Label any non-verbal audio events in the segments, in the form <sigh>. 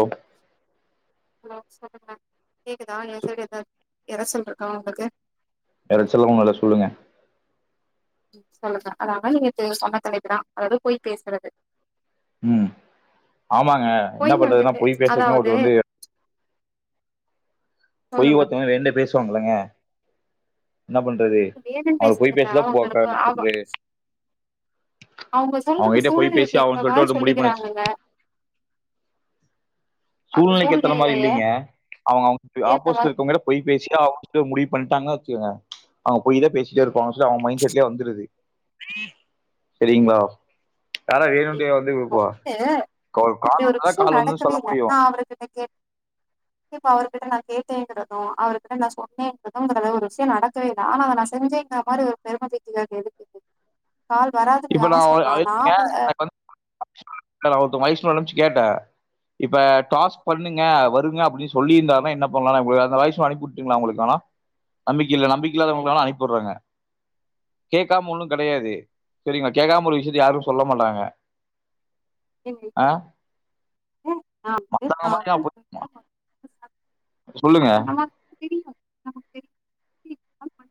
Okay hello சொகமா கேட்குதா நா சொல்றது என்ன சொல்ரகாவு பகே எத சொல்லுங்க மேயோ சொல்லுங்க சொல்லுங்க அதனா நீங்க சொன்ன தலைப்புதா அதாவது பொய் பேசுறது ம் ஆமாங்க என்ன பொய் பண்றதுனா வந்துட்டு பொய் பேசுறக்கு அதாவது ஒருத்தர் வந்து பொய் சொல்லுங்க ஒருத்தவங்க என்ன பேசு த்தோங்கலங்க வேஜன் பொய் பேசுரதா பேசிதான் போ க- அவங்களுக் ஆகு ஒரு அவங்க சொல்றது அவங்ககிட்ட பொய் சூழ்நிலை பேசி ஆகனு சொல்லிட்டு கேத்தமாரி ஒருத்தர் முடிவு பண்ணுச்சு சொல்லிக்ராங்கங்க சூழ்நிலைக்கு ஏத்தற மாரி இல்லிங்க அவன் அவனுக் ஏத்த ஆப்போசிட்ல மாரி இருக்கவங்கட பொய் பேசிதாஆவன்ட் முடிவு பண்ட்டாங்க வச்சிகங்க அவங்க பொய் தா பேசிட்டே இரு போனச அவ மைண்ட் செட்லே வந்துருது செரிங்ளா ஆனா வேணுன்ட்டே வந்து இப்ப குபா வந்து இப்டி ஒரு விஷயோ நடக்கவே இல்ல நா அவரு கிட்ட கேட் இப்ப அவர்கிட்ட நா கேட்டேங்கிறதோ அவர்கிட்ட நா சொன்னேங்கறதோ அப்டி ஒரு விஷயோ நடக்கவே இல்ல ஆனா அத நா செஞ்சேங்கிற மாரி ஒரு பெரும பீத்தி வேல எதுக்கு இது கால் வராதுன்னு எவ சொன்னா நா ப அ வாய்ஸ் நோட் அனுப்ச்சி கேட்ட இப்ப டாஸ்க் பண்ணுங்க வருங்க அப்டின்னு சொல்லிருந்தாருனா என்ன பண்ணலா அந்த வாய்ஸ் அனுப்பி உட்டுங்களா உங்களுக்கு வேனா நம்பிக்க இல்ல நம்பிக்க இல்லாதவங்களுக்கு வேனா அனுப்பி வுட்றங்க கேட்காம ஒன்னு கெடையாது சரிங்க கேட்காம ஒரு விஷயத்த யாரு சொல்ல மாட்டாங்க <inaudible> ஆஹ் மத்தவங்க மாதிரி நான் போய் சொல்லுங்க அப்ப நல்லாருக்கு தெரியு நமக் தெரியு இதமாரி பண்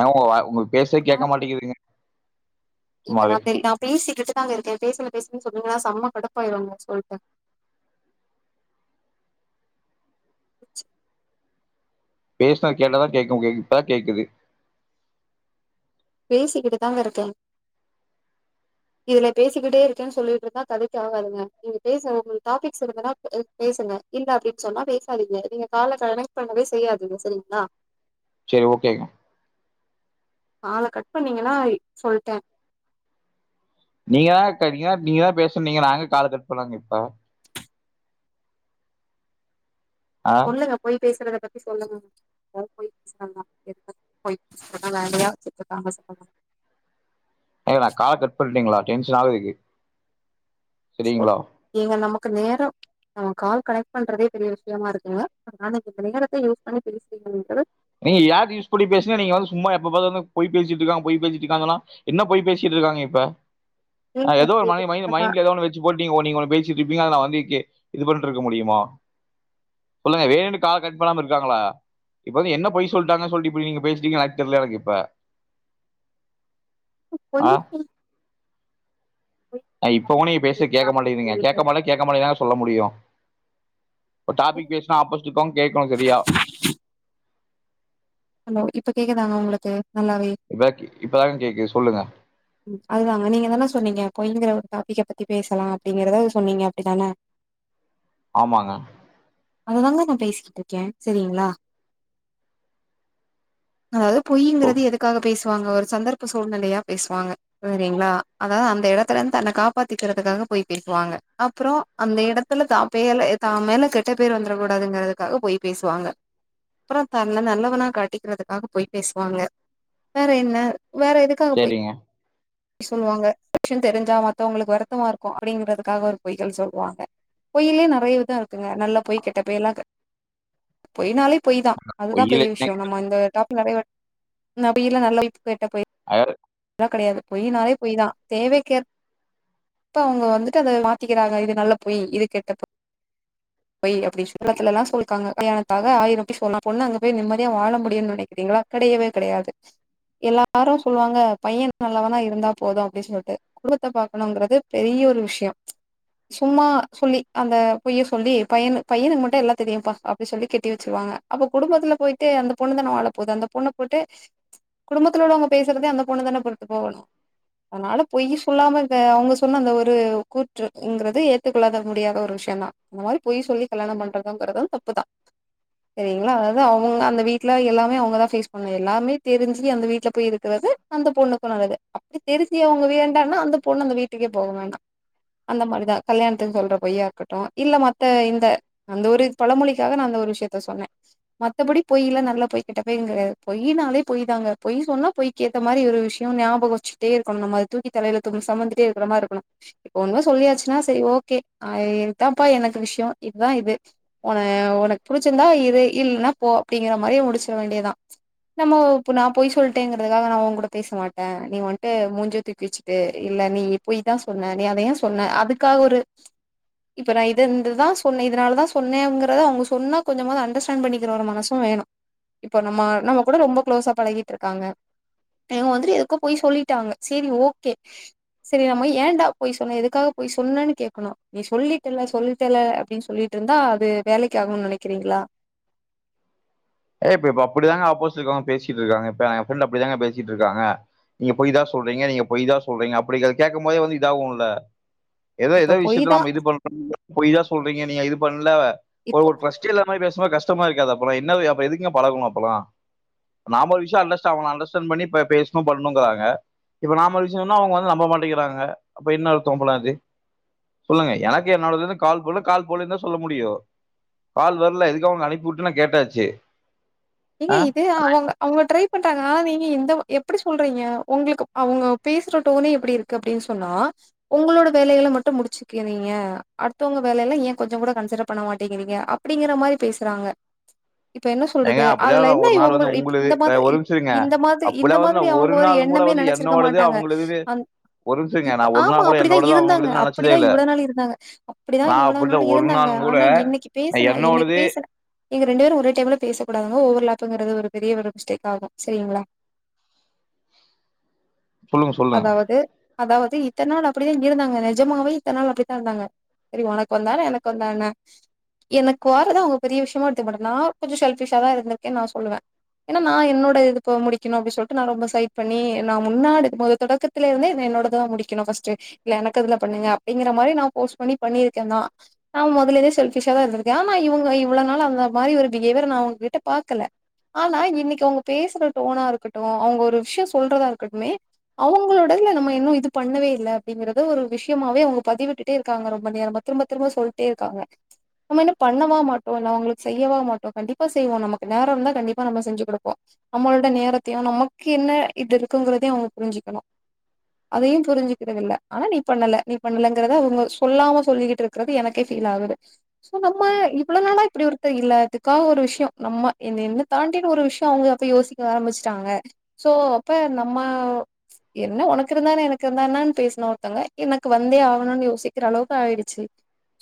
அவங்க வா உங்குளுக் பேசே கேக்க மாட்டிகுதுங்க இல்ல நா பே நா பேசிக்கிட்டு தாங்க இருக்கே பேசல பேசு சொன்னீங்கன்னா செம்ம கடுப்பாயிருங்க சொல்ட்ட <inaudible> பேசுனா கேட்டா தா கேக்கமுடியு இப்ப தா கேக்குது பேசிக்கிட்டு தாங்க இருக்கே இதுல பேசிக்கிட்டே இருக்கேனு சொல்ட்டு இருந்தா கதைக் ஆகாதுங்க நீங்க பேச உங்க டாபிக்ஸ் இருந்தா பேசுங்க இல்ல அப்டினு சொன்னா பேசாதீங்க நீங்க கால கனெக்ட் பண்ணவே செய்யாதீங்க சரிங்ளா சரி ஓகேங்க கால கட் பண்ணீங்கனா ஐ சொல்ட்ட நீங்க தா க நீங்க தா பேச சொன்னிங்க நாங்க காலா கட் பனாங்க இப்ப ஆ சொல்லுங்க பொய் பேசுறத பத்தி சொல்லுங்க பொய் பேசுறாங்க எல்லாரு பொய் பேசுறத வேலையா வச்சுட்டுருக்காங்க சொல்லுங்க ஏங்க நா கால கட் பண்ணட்டுங்ளா டென்ஷனாகுது இதுக்கு சோ இங்க நம க்கு நேரோ நம்ம கால் கனெக்ட் பண்றதே பெரிய விஷயமா இருக்குங்க அதனால இந்த நேரத்த யூஸ் பண்ணி பேசுவீங்களே தவிர இங்க ஆப் யூஸ் பண்ணி பேசுனா நீங்க வந்து சும்மா எப்ப பாத்தாலு பொய் பேசிட்ருக்கா பொய் பேசிட்ருக்காங்கனா என்ன பொய் பேசிட்டு இருக்காங்க இப்ப ஆ ஏங்க எதோ ஒரு இப்படி மை இது? மை நம்ம மைண்ட்ல எதோன்னு வெச்சுப்போட்டு நீங்க ஒன் நீங்க ஒன்னு பேசிட்ருப்பீங்க அத நா வந் இதுக்கே இது பண்ட்டு இருக்க முடியுமா சொல்லுங்க வேணுன்னு கால கட் பண்ணாம இருக்காங்களா இ மொதல்ல என்ன பொய் சொல்ட்டாங்க சொல்ட்டு இப்டி நீங்க பேசிட்ருக்கீங்கனு எனக்கு தெர்ல எனக்கு இப்ப அ கொஞ்சோ ஆ இப்பவு நீங்க பேசறது பேசலா கேக்க அப்டின்னு மாட்டேங்குதுங்க கேக்க சொல்லிட்டு மாட்டதுனா கேக்க மாட்டேங்குதுதாங்க சொல்ல முடியு இப்ப டாபிக் பேசுனா ஆப்போசிட் இருக்கவங்க கேக்கணு சரியா ஹலோ இப்ப கேக்குதாங்க உங்களுக்கு நல்லாவே இப்ப இப்பதாங்க கேக்குது சொல்லுங்க ம் அதுதாங்க நீங்கதான சொன்னீங்க கொழ்ந்திங்கள டாபிக்க பத்தி பேசலா அப்டிங்கறத சொன்னீங்க அப்டிதான ஆமாங்க அதுதாங்க நா பேச பேசிட்ருக்கே செரிங்ளா அதாவது சொல் பொய்யிங்கறது எதுக்காக பேசு வாங்க ஒரு சந்தர்ப்ப சூழ்நிலையா பேசுவாங்க சரிங்களா அதாவது அந்த எடத்துல இருந்து தன்ன காப்பாத்திக்கிறதுக்காக போய் பேசுவாங்க அப்புறோ அந்த எடத்துல தா பேர்ல தான் மேல கெட்ட பேர்வ ந்துரக்கூடாதுங்கிறதுக்காக பொய் பேசுவாங்க அப்புறோ தன்ன நல்ல வனா காட்டிக்கிறதுக்காக பொய் பேசுவாங்க வேற என்ன வேற எதுக்காக பொய் சரிங்க சொல்வாங்க விஷயோ தெரிஞ்சா மத்தவங்களுக்கு வருத்தமா இருக்கு அப்படிங்கறதுக்காக ஒரு பொய்கள் சொல்வாங்க பொய்யிலயே நெறைய விதோ இருக்குங்க நல்ல பொய் கெட்ட பொய் எல்லா இக்கு பொய்னாலே பொய்தா அதுதா பொய்யில பெரிய விஷயோ என்னங்க நம்ம இந்த டாபிக் நெறைய வாட் நெறைய இதுல நல்ல பொய் கெட்ட பொய் அவரு கெடையாது பொய்னாலே பொய்தா தேவைக்கேற்ப அவங்க வந்துட்டு அத மாத்திக்கிறாங்க இது நல்ல பொய் இது கெட்ட பொய் அப்பிடி சொ சொந்தத்துல எல்லா சொல்லிருக்காங்க கல்யாணத்க்காக ஆயிரம் பொய் சொல்லலா பொண்ணு அங்க போய் நிம்மதியா வாழ முடியுனு நெனைக்கிறீங்களா கெடையவே கெடையாது எல்லாரு சொல்வாங்க பைய ந ல்லவனா இருந்தா போது அப்டீ சொல்ட்டு குடும்பத்த பாக்கனுங்கறது பெரிய ஒரு விஷயோ சும்மா சொல்லி அந்த பொய்ய சொல்லி பையன பையனுக்கு மட்டு எல்லா தெரியுப்பா அப்டி சொல்லி கட்டி வச்சுருவாங்க அப்ப குடும்பத்துல போயிட்டு அந்த பொண்ணு தான வாழப்போது அந்த பொண்ண போட்டு குடும்பத்துல உள்ளவங்க பேசறதே அந்த பொண்ணுதான பொறு த்து போகணு அதனால பொய்யி சொல்லாம இருக்கறத அவங்க சொன்ன அந்த ஒரு கூற்றுங்கறது ஏத்துக்கொள்ளாத முடியாத ஒரு விஷயந்தா அந்த மாதிரி பொய் சொல்லி கல்யாணோ பண்றதுங்கறது தப்புதா செரிங்களா அதாவது அவங்க அந்த வீட்ல எல்லாமே அவங்கதா ஃபேஸ் பண்ணணு எல்லாமே தெரிஞ்சு அந்த வீட்ல போய் இருக்குறது அந்த பொண்ணு சொன்னாங்க அது அப்டி தெரிஞ்சு அவங்க வேண்டான்னா அந்த பொண்ணு அந்த வீட்டுக்கே போகவேண்டா அந்த மாரி தா கல்யாணத்துக்கு சொல்ற பொய்யா இருக்கட்டு இல்ல மத் த இந்த அந்த ஒரு பழமொழிக்காக நா அந்த ஒரு விஷயத்த சொன்னே மத்தபடி பொய்யில நல்ல பொய் கெட்ட பொய்ங்கற பொய்யினாலே பொய்தாங்க பொய் சொன்னா பொய்க்கி ஏத்த மாரி ஒரு விஷ யோ ஞாபகோ வச்சுட்டே இருக்கணு நம்ம அத தூக்கி தலையில தூக்கி சொமந்துட்டே இருக்குற மாரி இருக்கணு இப்போ உண்ம சொல்லியாச்சுனா சரி ஓகே ஆ இதுதாம்பா எனக்கு விஷயோ இதா இது உன உனக்கு புடிச்சிருந்தா இரு இல்னா போ அப்டிங்கிற மாரி முடிச்சிர வேண்டியதுதா நம்ம இப்போ நா பொய் சொல்ட்டேங்கிறதுக்காக நா ஒங்கூட பேசமாட் டே நீ வந்ட்டு மூஞ்சிய தூக்கி வச்சுட்டு இல்ல நீயி பொய்தா சொன்ன நீ அத யே சொன்ன அதுக்காக ஒரு இப்ப நா இது இந்த இதுதா சொன்னே இதனாலதா சொன்னேங்கறத அவங்க சொன்னா கொஞ்சமாது அண்டர்ஸ்டாண்ட் பண்ணிக்கிற ஒரு மனசு வேணு இப்ப நம்ம நம்ம கூட ரொம்ப குளோஸா பழகிட்ருக்காங்க இவுங்க வந்துட்டுது எது க்கோ பொய் சொல்லிட்டாங்க செரி ஓகே செரி நம்ம ஏண்டா பொய் சொன்னே எதுக்காக பொய் சொன்னேனு கேக்கணு நீ சொல்லிட்டல்ல சொல்ட்டல்ல அப்பிடி சொல்லிட்ருந்தா அது வேலைக்காகுன் நெனக்கிறீங்ளா சிட்ல இருக்கவுங்க பேசிட்ருக்காங்க இப்ப எ ஃப்ரென்ட் அப்டிதாங்க பேசிட்ருக்காங்க நீங்க பொய் தா சொல்றீங்க நீங்க பொய் தா சொல்றீங்க அப்பிடி அத கேக்கும்போதே வந்து இதாவுல்ல எதோ எதோ இப்ப பொய் விஷ்யத்துல தா நம்ம இது பண் <inaudible> பொய் தா சொல்றீங்க நீங்க இது பண்ல ஒரு இப்போ ஒரு ட்ரஸ்ட்டே இல்லாத மா பே சுனா கஷ்டமா இருக்காதா அப்பறொ என்னது அப்றொ எதுக்குங்க பழகணு அப்புல்லா நாம ஒரு விஷ்ய அண்டஸ்டான் பன அன்டஸ்டான் பண்ணி ப பேசுனு பண்ணணுங்குறாங்க இப்ப நாம ஒரு விஷ்யொ சொன்னா அவுங்க வந்து நம்பமாட்டேகிறாங்க அப்ப என்ன அர்த்தொ அப்பனா அது சொல்லுங்க எனக்கு என்னோடதுலந்து கால் போல கால் போலந்தா சொல்ல முடியு கால் வர்ல இதுக்கு அவுங்க அனுப்பி வுட்டு நா கேட்டாச்சு ஏங்க ஆ இது அவங்க அவுங்க ட்ரை பண்டாங்கனா நீங்க இந்த எப்பிடி சொல்றீங்க ஒங்ளுக்கு அவுங்க பேசுற டோனே எப்பிடி இருக்கு அப்டின் சொன்னா ஒங்களோட வேலைகள மட்டும் முடுச்சுக்குறீங்க அடுத்தவுங்க வேலைலா ஏ கொஞ்ச கூட கன்சிடர் பண்ண மாட்டேக்கிறீங்க அப்பிடிங்கிற மாரி பேசுறாங்க இப்ப என்ன ஏங்க சொல்றது அப்படிலாம் அதுல நான் என்ன ஒரு நாள் இவுங்க வந்து இத் உங்களுது இந்த மாதி நான் ஒரு இ நிமிஷம் இருங்க இந்த மாதி இந்த அப்படிலாம் வந்து மாதிரி நான் அவுங்க ஒரு நாள் கூட எண்ணமே வந்து நெனச்சிருக்க என்னோடது மாட்டாங்க அவங்களுது அந் ஒரு நிமிஷம் இருங்க இப்ப நான் ஒரு ஆமா நாள் கூட அப்பிடிதா என்னோடது இருந்தாங்க அவங்களுது நினைச்சதே அப்பிடிதா இல்ல இவ்ளொ நாளு இருந்தாங்க அப்பிடிதா நான் இவ்வளொ நாள் அப்படிலாம் ஒரு இருந்தாங்க கூட ஆனா இன்னக்குனி நான் பேசுன இன்னக்கி என்னோடது பேசுன எங்க ரெண்டு பேரு ஒரே டேபிள்ல பேசகூ டாதுங்க ஓவர்லாப்புங்கிறது ஒரு பெரிய ஒரு மிஸ்டேக் ஆகு செரிங்ளா சொல்லுங்க சொல்லுங்க அதாவது இத்தன் நாள் அப்பிடிதா இருந்தாங்க நெஜமாவே இத்தன் நாள் அப்டிதா இருந்தாங்க செரி ஒனக்கு வந்தா என்ன எனக்கு வந்தா என்ன எனக்கு வரத அவுங்க பெரிய விஷ்யமா எடுத்துகமாட்டே நா கொஞ்ச செல்ஃபிஷாதா இருந்திருக்கேன் நா சொல்லுவே ஏன்னா நா என்னோட இதுப்ப முடிக்கணு அப்டி சொல்ட்டு நா ரொம்ப சைட் பண்ணி நா முன்னாடி மொத தொடக்கத்துலருந்தே இத என்னோடதா முடிக்கணு ஃபஸ்ட்டு இல்ல எனக்கு அதுல பண்ணுங்க அப்டிங்கிற மாரி நா போஸ்ட் பண்ணி பண்ணியிருக்கெந்தா நா மொதலயே செல்ஃபிஷா தா இருந்திருக்கே ஆமா இவுங்க இவ்ளொ நாள் அந்த மாரி ஒரு பிஹேவியர நா‌ அவுங்ககிட்ட பாக்கல ஆனா இன்னக்கி அவுங்க பேசுற டோனா இருக்கட்டு அவுங்க ஒரு விஷ்யொ சொல்றதா இருக்கட்டுமே அவுங்களோடதுல்ல நம்ம இன்னு இது பண்ணவே இல்ல அப்டிங்கிறத ஒரு விஷ்யமாவே அவுங்க பதிவிட்டுட்டே இருக்காங்க ரொம்ப நேரமா திரும்ப திரும்ப சொல்ட்டே இருக்காங்க நம்ம என்ன பண்ணவா மாட்டோ இல்ல அவுங்களுக் செய்யவா மாட்டோ கண்டிபா செய்வோ நமக்கு நேரொ இருந்தா கண்டிப்பா நம்ம செஞ்சு குடுப்போ நம்மளோட நேரத்தயு நமக்கு என்ன இது இருக்குங்கிறதையு அவுங்க புரிஞ்சிக்கணு அதயு புரிஞ்சிகிறதில்ல ஆனா நீ பண்ணல நீ பண்ணலங்கறத அவுங்க சொல்லாம சொல்லிக்கிட்ருக்றது எனக்கே ஃபீல் ஆகுது சோ நம்ம இவ்ள நாளா இப்டி ஒருத்தர் இல்ல அதுக்காக ஒரு விஷ்யொ நம்ம இந்த என்ன தாண்டின்னு ஒரு விஷ்யொ அவுங்க அப்ப யோசிக்க ஆரம்பிச்ட்டாங்க சோ அப்ப நம்ம என்ன ஒனக்கிருந்தா என்ன எனக்கிருந்தா என்னன் பேசுன ஒருத்தங்க எனக்கு வந்தே ஆகணுன் யோசிக்கிற அளவுக்கு ஆயிடுச்சு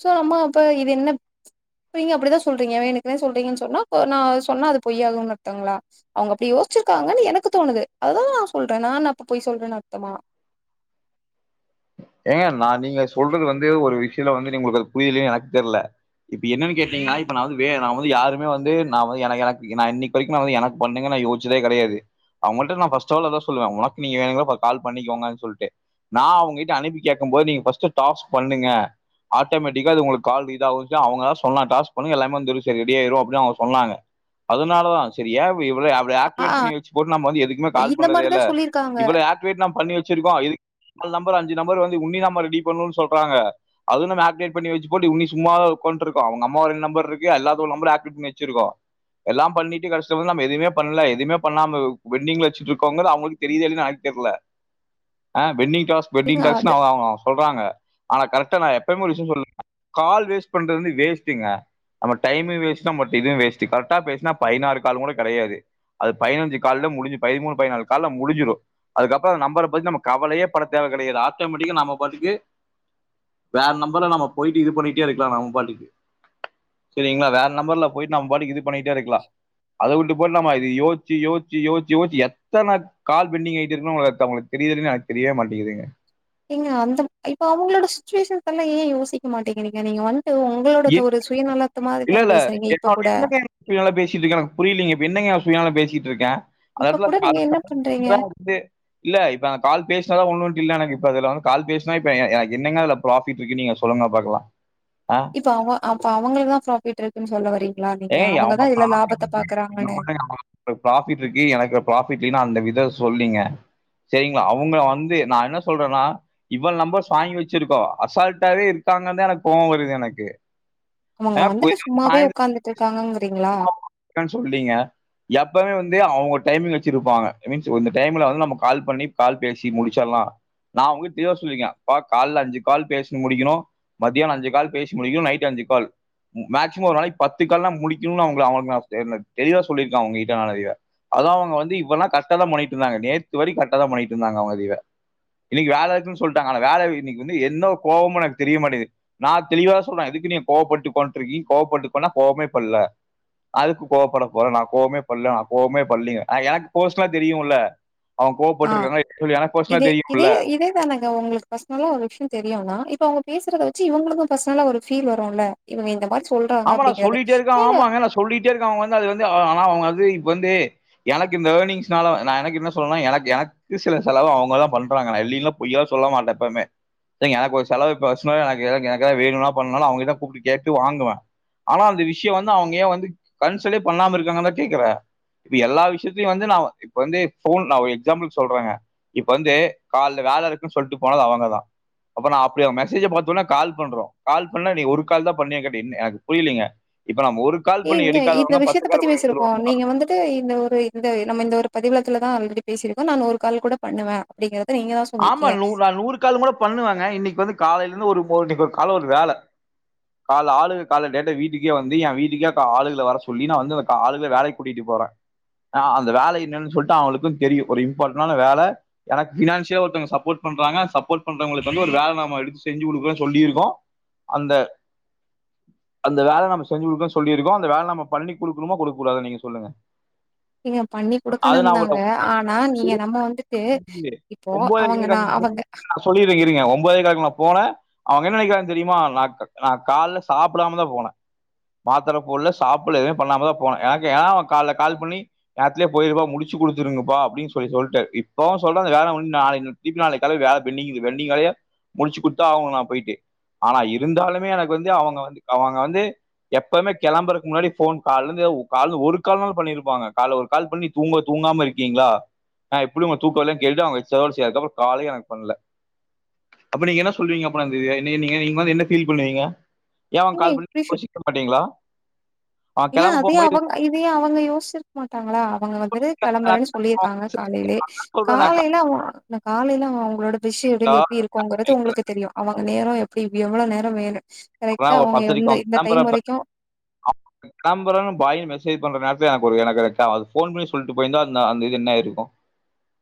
சோ நம்ம அப்ப இது என்ன இப்ப நீங்க அப்பிடிதா சொல்றீங்க வேணுக்குமே சொல்றீங்கன் சொன்னா அப்ப நா சொன்னா அது பொய்யாகுன் அர்த்தங்களா அவுங்க அப்டி யோசுச்சிர்க்காங்கன் எனக்கு தோணுது அத நா சொல்றே நா என்னப் ப பொய் சொல்றென் அர்த்தமா ஏங்க நா நீங்க சொல்றது வந்து ஒரு விஷ்யல வந்து உங்களுக்கு அது புரியலயா எனக் தெர்ல இப்ப என்னனு கேட்டீங்னா இப்ப நா வந்து வே நா வந்து யாருமே வந்து நா வந்து என‌ எனக்கு நா இன்னக்கி வரைக்‌ நா வந்து எனக் பண்ணுங்க நா யோச்சதே கடயாது அவுங்கள்ட நா ஃபஸ்ட்டால் அதா சொல்வே ஒனக்கு நீங்க வேணுங்கிறத பா கால் பண்ணிக்கோங்க சொல்ட்டு நா அவுங்கிட் ட அனுப்பி கேக்கும் போது நீங்க ஃபஸ்ட்டு டாக்ஸ் பண்ணுங்க ஆட்டமேட்டிக்கா அது உங்களுக் கால் இதாவு சொல்லி அவுங்கதா சொன்னா டாஸ்க் பண்ணி எல்லாமெ வந்துரு செரி ரெடியாயிரு அப்டின்‌ அவுங்க சொன்னாங்க அதுனாலதா செரி ஏ இப்டி இவ்ளொ எ ப்டி ஆ ஆக்டிவேட் பண்ணி வச்சுபோட்டு நம்ம வந்து எதுக்குமே கால் இந்த மாரிதா பண்றதேல்ல சொல்லிருக்காங்க இவள ஆக்டிவேட் நா பண்ணி வச்சுருக்கோ இது அல் நம் பர் அஞ்சு நம்பர் வந்து உன்னி நம்ம ரெடி பண்ணுன் சொல்றாங்க அது நம்ம ஆக்டிவேட் பண்ணி வச்சிபோட்டு உன்னி சும்மா தா உக்கான்ட்ருக்கோ அவுங் நம்ம ஒரு நம்பர்ருக்கு எல்லாத்தோ நம்பரு ஆக்டிவெட் பண்ணி வச்சிருகோ எல்லாம் பண்ணிட்டு கடைசில நம்ம எதுமே பண்ல எதுமே பண்லாம பென்டிங்ல வச்சுட்ருக்கோங்கற்து அவுங்களுக்கு தெரியிதா இல்லயான் ஆருக்கு தெர்ல ஆ பென்டிங்ட பென்டிங் நீங்க டாஸ்க்னு அது அவ அவுங்க சொல்றாங்க ஆனா கரட் டா நா எப்பய்மே ஒரு விஷ்ய சொல்லு கால் வேஸ் பண்றது வந்து வேஸ்ட்டுங்க நம்ம டைமு வேஸ்ட்டு நம்ம இது வேஸ்ட்டு கரட்டா பேசுனா பைனாறு காலுங் கூட கெடயாது அது பைனஞ்சு கால்ல முடுஞ்சு பைமூனு பைனாலு கால்ல முடுஞ்சுரு அதுக்கப்பற நம்பர பத்தி நம்ம கவலையே பட தேவ கெடயாது ஆட்டோமெட்டிக்கா நம்ம பாட்டுக்கு வேற நம்பர்ல நம்ம போயிட்டு இது பண்ணிட்டே இருக்லா நம்ம பாட்டுக்கு செரிங்ளா வேற நம்பர்ல போயிட்டு நம் பாட்டுக்கு இது பண்ணிட்டேருக்லா அத விட்டு போட் நம்ம இத யோச்சு யோச்சு யோச்சு யோச்சு எத்தன கால் பென்டிங் ஆயிட்டே இருக்குன் ஒங்கள த அவுங்களுக் தெரியிதா இல்லயான் எனக் தெரியவே மாட் டிக்குதுங்க ஏங்க அந்த இப்ப அவுங்களோட சுச்சிவேஷன்பல்லா ஏ யோசிக் க மாட்டிக்கிறிங்க நீங்க வந் என் இல்லெல்ல பேசுறீங்க <unintelligible> இப்ப கூட என்னங்க சுயநலா பேசிட்ருக்கே எனக்கு புரியிலெங்க இப்ப என்னங்க நா சுயநலமா பேசி ட்ருக்கே அந்த இப்ப கூட நீங்க என்ன பண்றீங்க எடத்துல <inaudible> வந்து இல்ல இப்ப நா கால் பேசுனா தா ஒன்னூன்டு இல்ல எனக்கு இப்ப அதுலால் கால் பேசுனா இப்ப‌ என எனக்கு என்னங்க அதுல ப்ராஃபிட்ருக்கு நீங்க சொல்லுங்க பாக்கலா ஆ இப்ப அவ அப்ப அவுங்களுக்தா ப்ராஃபிட் இருக்குன் சொல்ல வரிங்ளா நீங்க ஏய் அவங்க அவுங்கதா இதுல ப்ராஃபிட் லாபத்த இருக்கு நீங்க பாக்குறாங்கனு பாருங்க, அவங்களுக்கு சொல்லிங் சேரிங்களா அவங்க வந்து நான் என்ன சொல்றேன்னா இவ்வள் நம்பர் சாங்கி வச்சிருக்கோம் அசால்டாவே இருக்காங்க தான் எனக்கு கோவம் வருது எனக்கு அங்க வந்துட்டு சும்மாவே உட்காந்துட்டு யிருகிங்க ப் சொல்லிங்க எப்பமேவந் அவங்க டைம்மிங் வச்சிருப்பாங்க இட் பீன்ஸ் இந்த டைம் கால் பண்ணி கால் பேசி முடுச்சிரலாம். நான் தெளிவாக சொல்லியிருக்கேன் காலையிலே அஞ்சுகால் பேசிமுடிக்கனும். மதியானம் ஐஞ்சுகால் மேசக்சிம் பத்துகால் முடிக்கனும். ன்னே அவகல அவங்களுக்கு தெளிவா சொல்யிருக்கே அதங்க தீவை அதாஅவங்க வந்து இவெல்லாம் கட்ட தான் பண்ணிட்டு இருந்தாங்க நேற்றுத்து வரை கட்ட தான் பண்ணிட்டு இருந்தாங்க அவங்க தீவ இன்னைக்கு வேலை இருக்குன்னு சொல்லிட்டாங்க ஆா வேலை இன்னைக்கு வந்து என்ன கோவமும் எனக்கு தெரிய மாட்டேது நான் தெளிவா தான் சொல்றேன் இதுக்கு நீ கோவப்பட்டு கொ இருக்கீங்க கோவப்பட்டுக்ண்டா கோபமே படல அதுக் கோவப்பட போ நா கோவமே பல்ல நான் கோவமே பல்ல எனக்கு போசலாம் தெரியும்ல அவங்க ஆ கோவப்பட்டிருக்காங்க சொல்லி எனக்கு பர்சனலா இதே இதே தெரியும்ல இதேதானங்க உங்களுக்கு பர்சனலா ஒரு விஷயம் தெரியுனா இப்ப அவங்க பேசுற வி ச்சி இவங்கக்கும் பர்சனலா ஒரு பீல் வருல இவங்க இந்த மாரி சொல்றாங்க ஆம்மா நான் அப்டிங்கிறது. சொல்லிடே இருக்கே ஏங்க ஆமாங்க நா சொல்லிட்டே யிருக்கே அவங்க வந்து அது வந்து ஆனா அவங்க வந்து இப்ப வந்து எனக்கு இந்த ஏர்னிங்ஸ்னால நா எனக்கு என்ன சொன்னனா எனக்கு எனக்கு சில செலவு அவங்க எல்லாம் பண்றாங்கா இல்லல்லாம் பொய்யாலும் சொல்ல மாட்டே எப்பமே சரி எனக்கு ஒரு செலவு இக்கு எனக்கு வேணும் பண்ணாலும் அவங்கிட்டதான் கூப்பிட்டு கேட்டு வாங்குவேன் ஆனா அந்த விஷய வந்து அவங்க வந்து கன்சல்லே பணாம யிருக்காங்க தா கேக்குற இப்ப எல்லா விஷயத்தையு வந்து நா இப்ப வந்து போன் நா எக்ஸாம்பிள் சொல்றேங் இப்ப வந்து கால வேலயி ருக்குன்னு சொலிட்டு போனத அவங்கதான் அப்ப நான் அப்படி அவங்க மெசேஜ பா்த்தோன்னா கால் பண்றோம் கால் பண்ணா நீ ஒரு கால் தான் பண்ண கடன்னனு எனக்கு புரியலிங்க இப்ப நம்ம ஒரு கால் பண்ணி ங்க இந்த எடுக்காதவங்க பத்து விஷயத்த கால் பத்தி பண்ணி பேசிருக்கோ எடுத்துருவாங்க நீங்க வந்துட்டு இந்த ஒரு இந்த நம்ம இந்த ஒரு பதிலத்துல தான் ஆல்ரெடி பேசிருக்கு நான் ஒரு கால் கூட பணுவ அப்படிங்கற ஆமா ந நூறு கால் கூட பண்ணுவங்க இன்னைகு வந்து காலைல இருந்து ஒரு கால ஒரு வேல கால ஆளுக காலடைல வீடுகே வந்து என் வீடுகே ஆலுகள வர சொலி நா வந்து ஆளுகள வேலகு கூட்டிடு போற அந்த வேலனனு அவளுகு தெரியு இம்பார்டன்டான வேல எனகு பினாஸி சிஸ்டருதவங்க சபோட் பண்றாங்க சபோட் பண்றவங்களுகுந்துஒரு வேல நம்ம எடுது செஞ்சு குடுகுறோ சொலிருகோ அந்த-அந்த வேல நம்ம செஞ்சுகுடுகுறனு சொலிருகு அந்த வேல நம்ம பண்ணிடுகறோமடுக கூடாத நீங்க சொல்லுக நீங்க பண்ணி குடுகணும்தாங்க ஆனா நீங்க நம்ம வந்துடு இப் ஒன்பதர க்கிற <unintelligible> பெல சொலிருங்க ஓம்பதே காலுகு நா போன அவங்க என்ன நினகுறாங்க தெரியுமா நாக் நா கால சாப்டாம தா போன மாத்ர போல சாப்பிடதுமே பண்ணமா தா போன எனகுயா அவ எனகு கால் பண்ணி நெறதுல போயிருபா முடிச்சுகுதுருங்பா அப்டி சொல் சொல்டு இப்பவு சொல்ற அந்த வேல மூஞ் நாளை திருபி நாளைகு கால வேல பெண்டிங் இருகு பெண்டிங் வேலய மூச்சுகுதுதா ஆவணு நா போய்டு ஆனா இருதாலுமே எனகு வந்து அவங்க வந்து-அவங்க வந்து வந்து எபவுமே கெளம்புறதுகு முன்னாடி போன் காலந்து காலந்து ஒரு கால்னாது பண்ணிருபாங்க கால ஒரு கால் பண்ணி தூங்க தூங்காம இருகீங்களா நா எப்டியு தூக்கவல கேட்த அவங்க சொல்சிய அதுகபுற காலே எனகு பண்ல அப்ப நீங்க என்ன சொலுவீங்க அப்புற நீங்க வந்து என்ன பீல் பண்ணுவீங்க ஏ அவங்க கால் பண்ணி கொஸ்டின் கேக்க மாடீங்களா ஏ அதயே அவங்க இதயே அவங்க யோசிருக்க மாடாங்களா அவங்க வந்து கிளம்பறனு சொலிருகாங்க சொல்றேன் நான் காலைல-காலைல-காலைல அங்களோட கரெக்ட்டா விஷடல் எப்டி இருகுங்கிறது உங்களுகு தெரியு அவங்க நேர எப்டி எவ்ளோ நேர வேணு கரெக்டா இப்தவ அவங்க பதிரைகு எந்த அங்க இந்த டைம் கிளம்பறப வரைக்கு கெளபரனு பாயுனு மெசேஜ் பண்றேரதில எனகு ஒரு எனகு க அது போன் பண்ணி சொலிடு போயிருந்த அந்த-அந்த இது என்ன ஆஇருக்கு